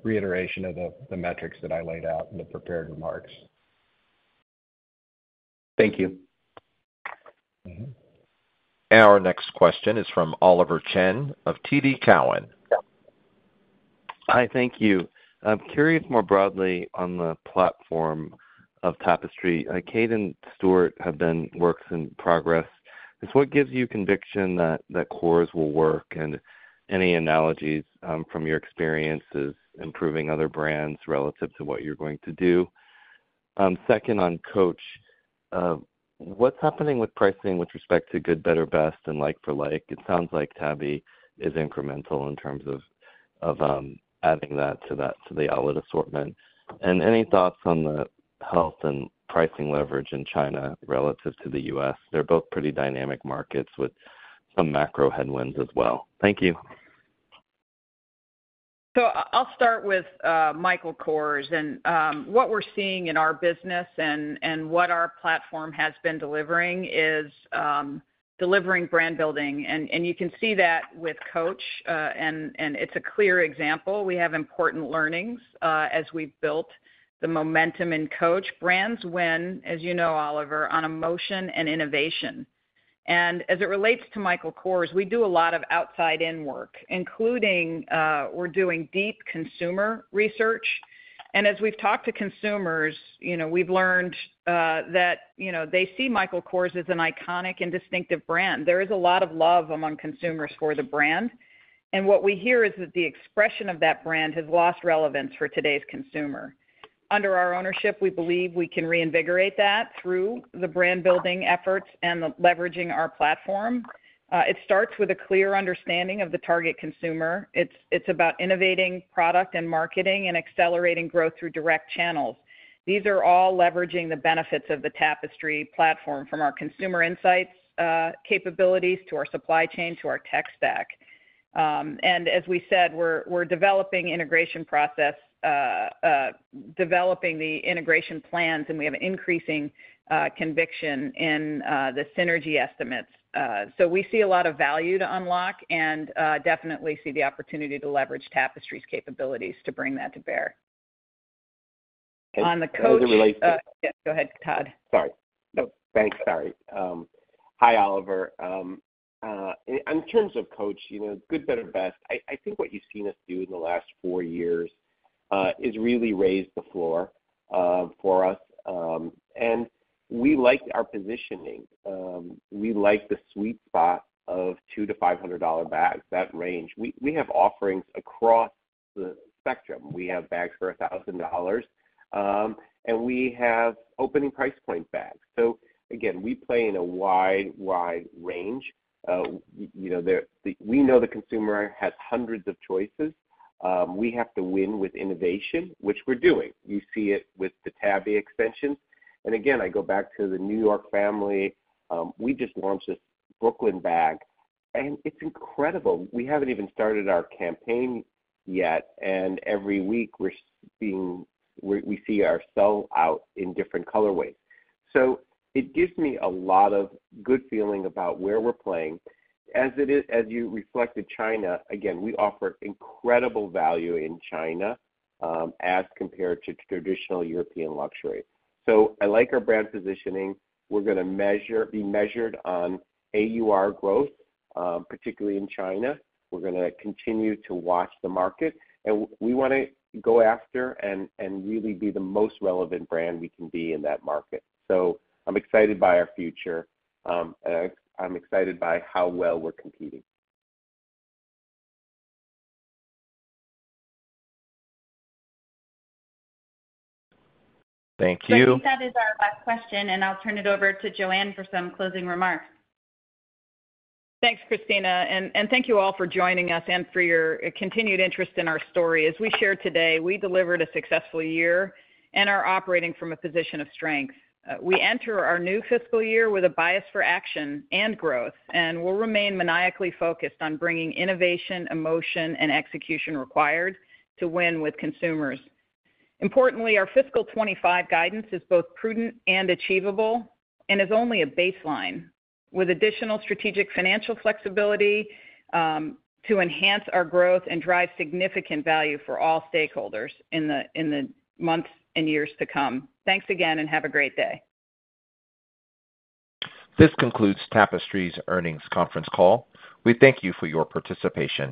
reiteration of the, the metrics that I laid out in the prepared remarks. Thank you. Mm-hmm. Our next question is from Oliver Chen of TD Cowen. Hi, thank you. I'm curious more broadly on the platform of Tapestry. Kate and Stuart have been works in progress. So what gives you conviction that Kors will work, and any analogies from your experiences improving other brands relative to what you're going to do? Second, on Coach, what's happening with pricing with respect to good, better, best, and like for like? It sounds like Tabby is incremental in terms of adding that to the outlet assortment. And any thoughts on the health and pricing leverage in China relative to the US? They're both pretty dynamic markets with some macro headwinds as well. Thank you. So I'll start with Michael Kors, and what we're seeing in our business and what our platform has been delivering is delivering brand building. And you can see that with Coach, and it's a clear example. We have important learnings as we've built the momentum in Coach. Brands win, as you know, Oliver, on emotion and innovation. And as it relates to Michael Kors, we do a lot of outside-in work, including we're doing deep consumer research. And as we've talked to consumers, you know, we've learned that, you know, they see Michael Kors as an iconic and distinctive brand. There is a lot of love among consumers for the brand, and what we hear is that the expression of that brand has lost relevance for today's consumer. Under our ownership, we believe we can reinvigorate that through the brand building efforts and the leveraging our platform. It starts with a clear understanding of the target consumer. It's about innovating product and marketing and accelerating growth through direct channels. These are all leveraging the benefits of the Tapestry platform, from our consumer insights, capabilities, to our supply chain, to our tech stack. And as we said, we're developing the integration plans, and we have increasing conviction in the synergy estimates. So we see a lot of value to unlock and definitely see the opportunity to leverage Tapestry's capabilities to bring that to bear. On the Coach- As it relates to- Yeah, go ahead, Todd. Sorry. Nope, thanks. Sorry. Hi, Oliver. In terms of Coach, you know, good, better, best, I think what you've seen us do in the last four years has really raised the floor for us, and we like our positioning. We like the sweet spot of $200-$500 bags, that range. We have offerings across the spectrum. We have bags for $1,000, and we have opening price point bags. So again, we play in a wide, wide range. You know, we know the consumer has hundreds of choices. We have to win with innovation, which we're doing. You see it with the Tabby extension. And again, I go back to the New York family. We just launched this Brooklyn bag, and it's incredible. We haven't even started our campaign yet, and every week, we're seeing—we see our sellout in different colorways. So it gives me a lot of good feeling about where we're playing. As it is—as you reflected, China, again, we offer incredible value in China, as compared to traditional European luxury. So I like our brand positioning. We're gonna measure, be measured on AUR growth, particularly in China. We're gonna continue to watch the market, and we wanna go after and really be the most relevant brand we can be in that market. So I'm excited by our future, and I'm excited by how well we're competing. Thank you. I think that is our last question, and I'll turn it over to Joanne for some closing remarks. Thanks, Christina, and thank you all for joining us and for your continued interest in our story. As we shared today, we delivered a successful year and are operating from a position of strength. We enter our new fiscal year with a bias for action and growth, and we'll remain maniacally focused on bringing innovation, emotion, and execution required to win with consumers. Importantly, our fiscal 2025 guidance is both prudent and achievable and is only a baseline, with additional strategic financial flexibility to enhance our growth and drive significant value for all stakeholders in the months and years to come. Thanks again, and have a great day. This concludes Tapestry's Earnings Conference Call. We thank you for your participation.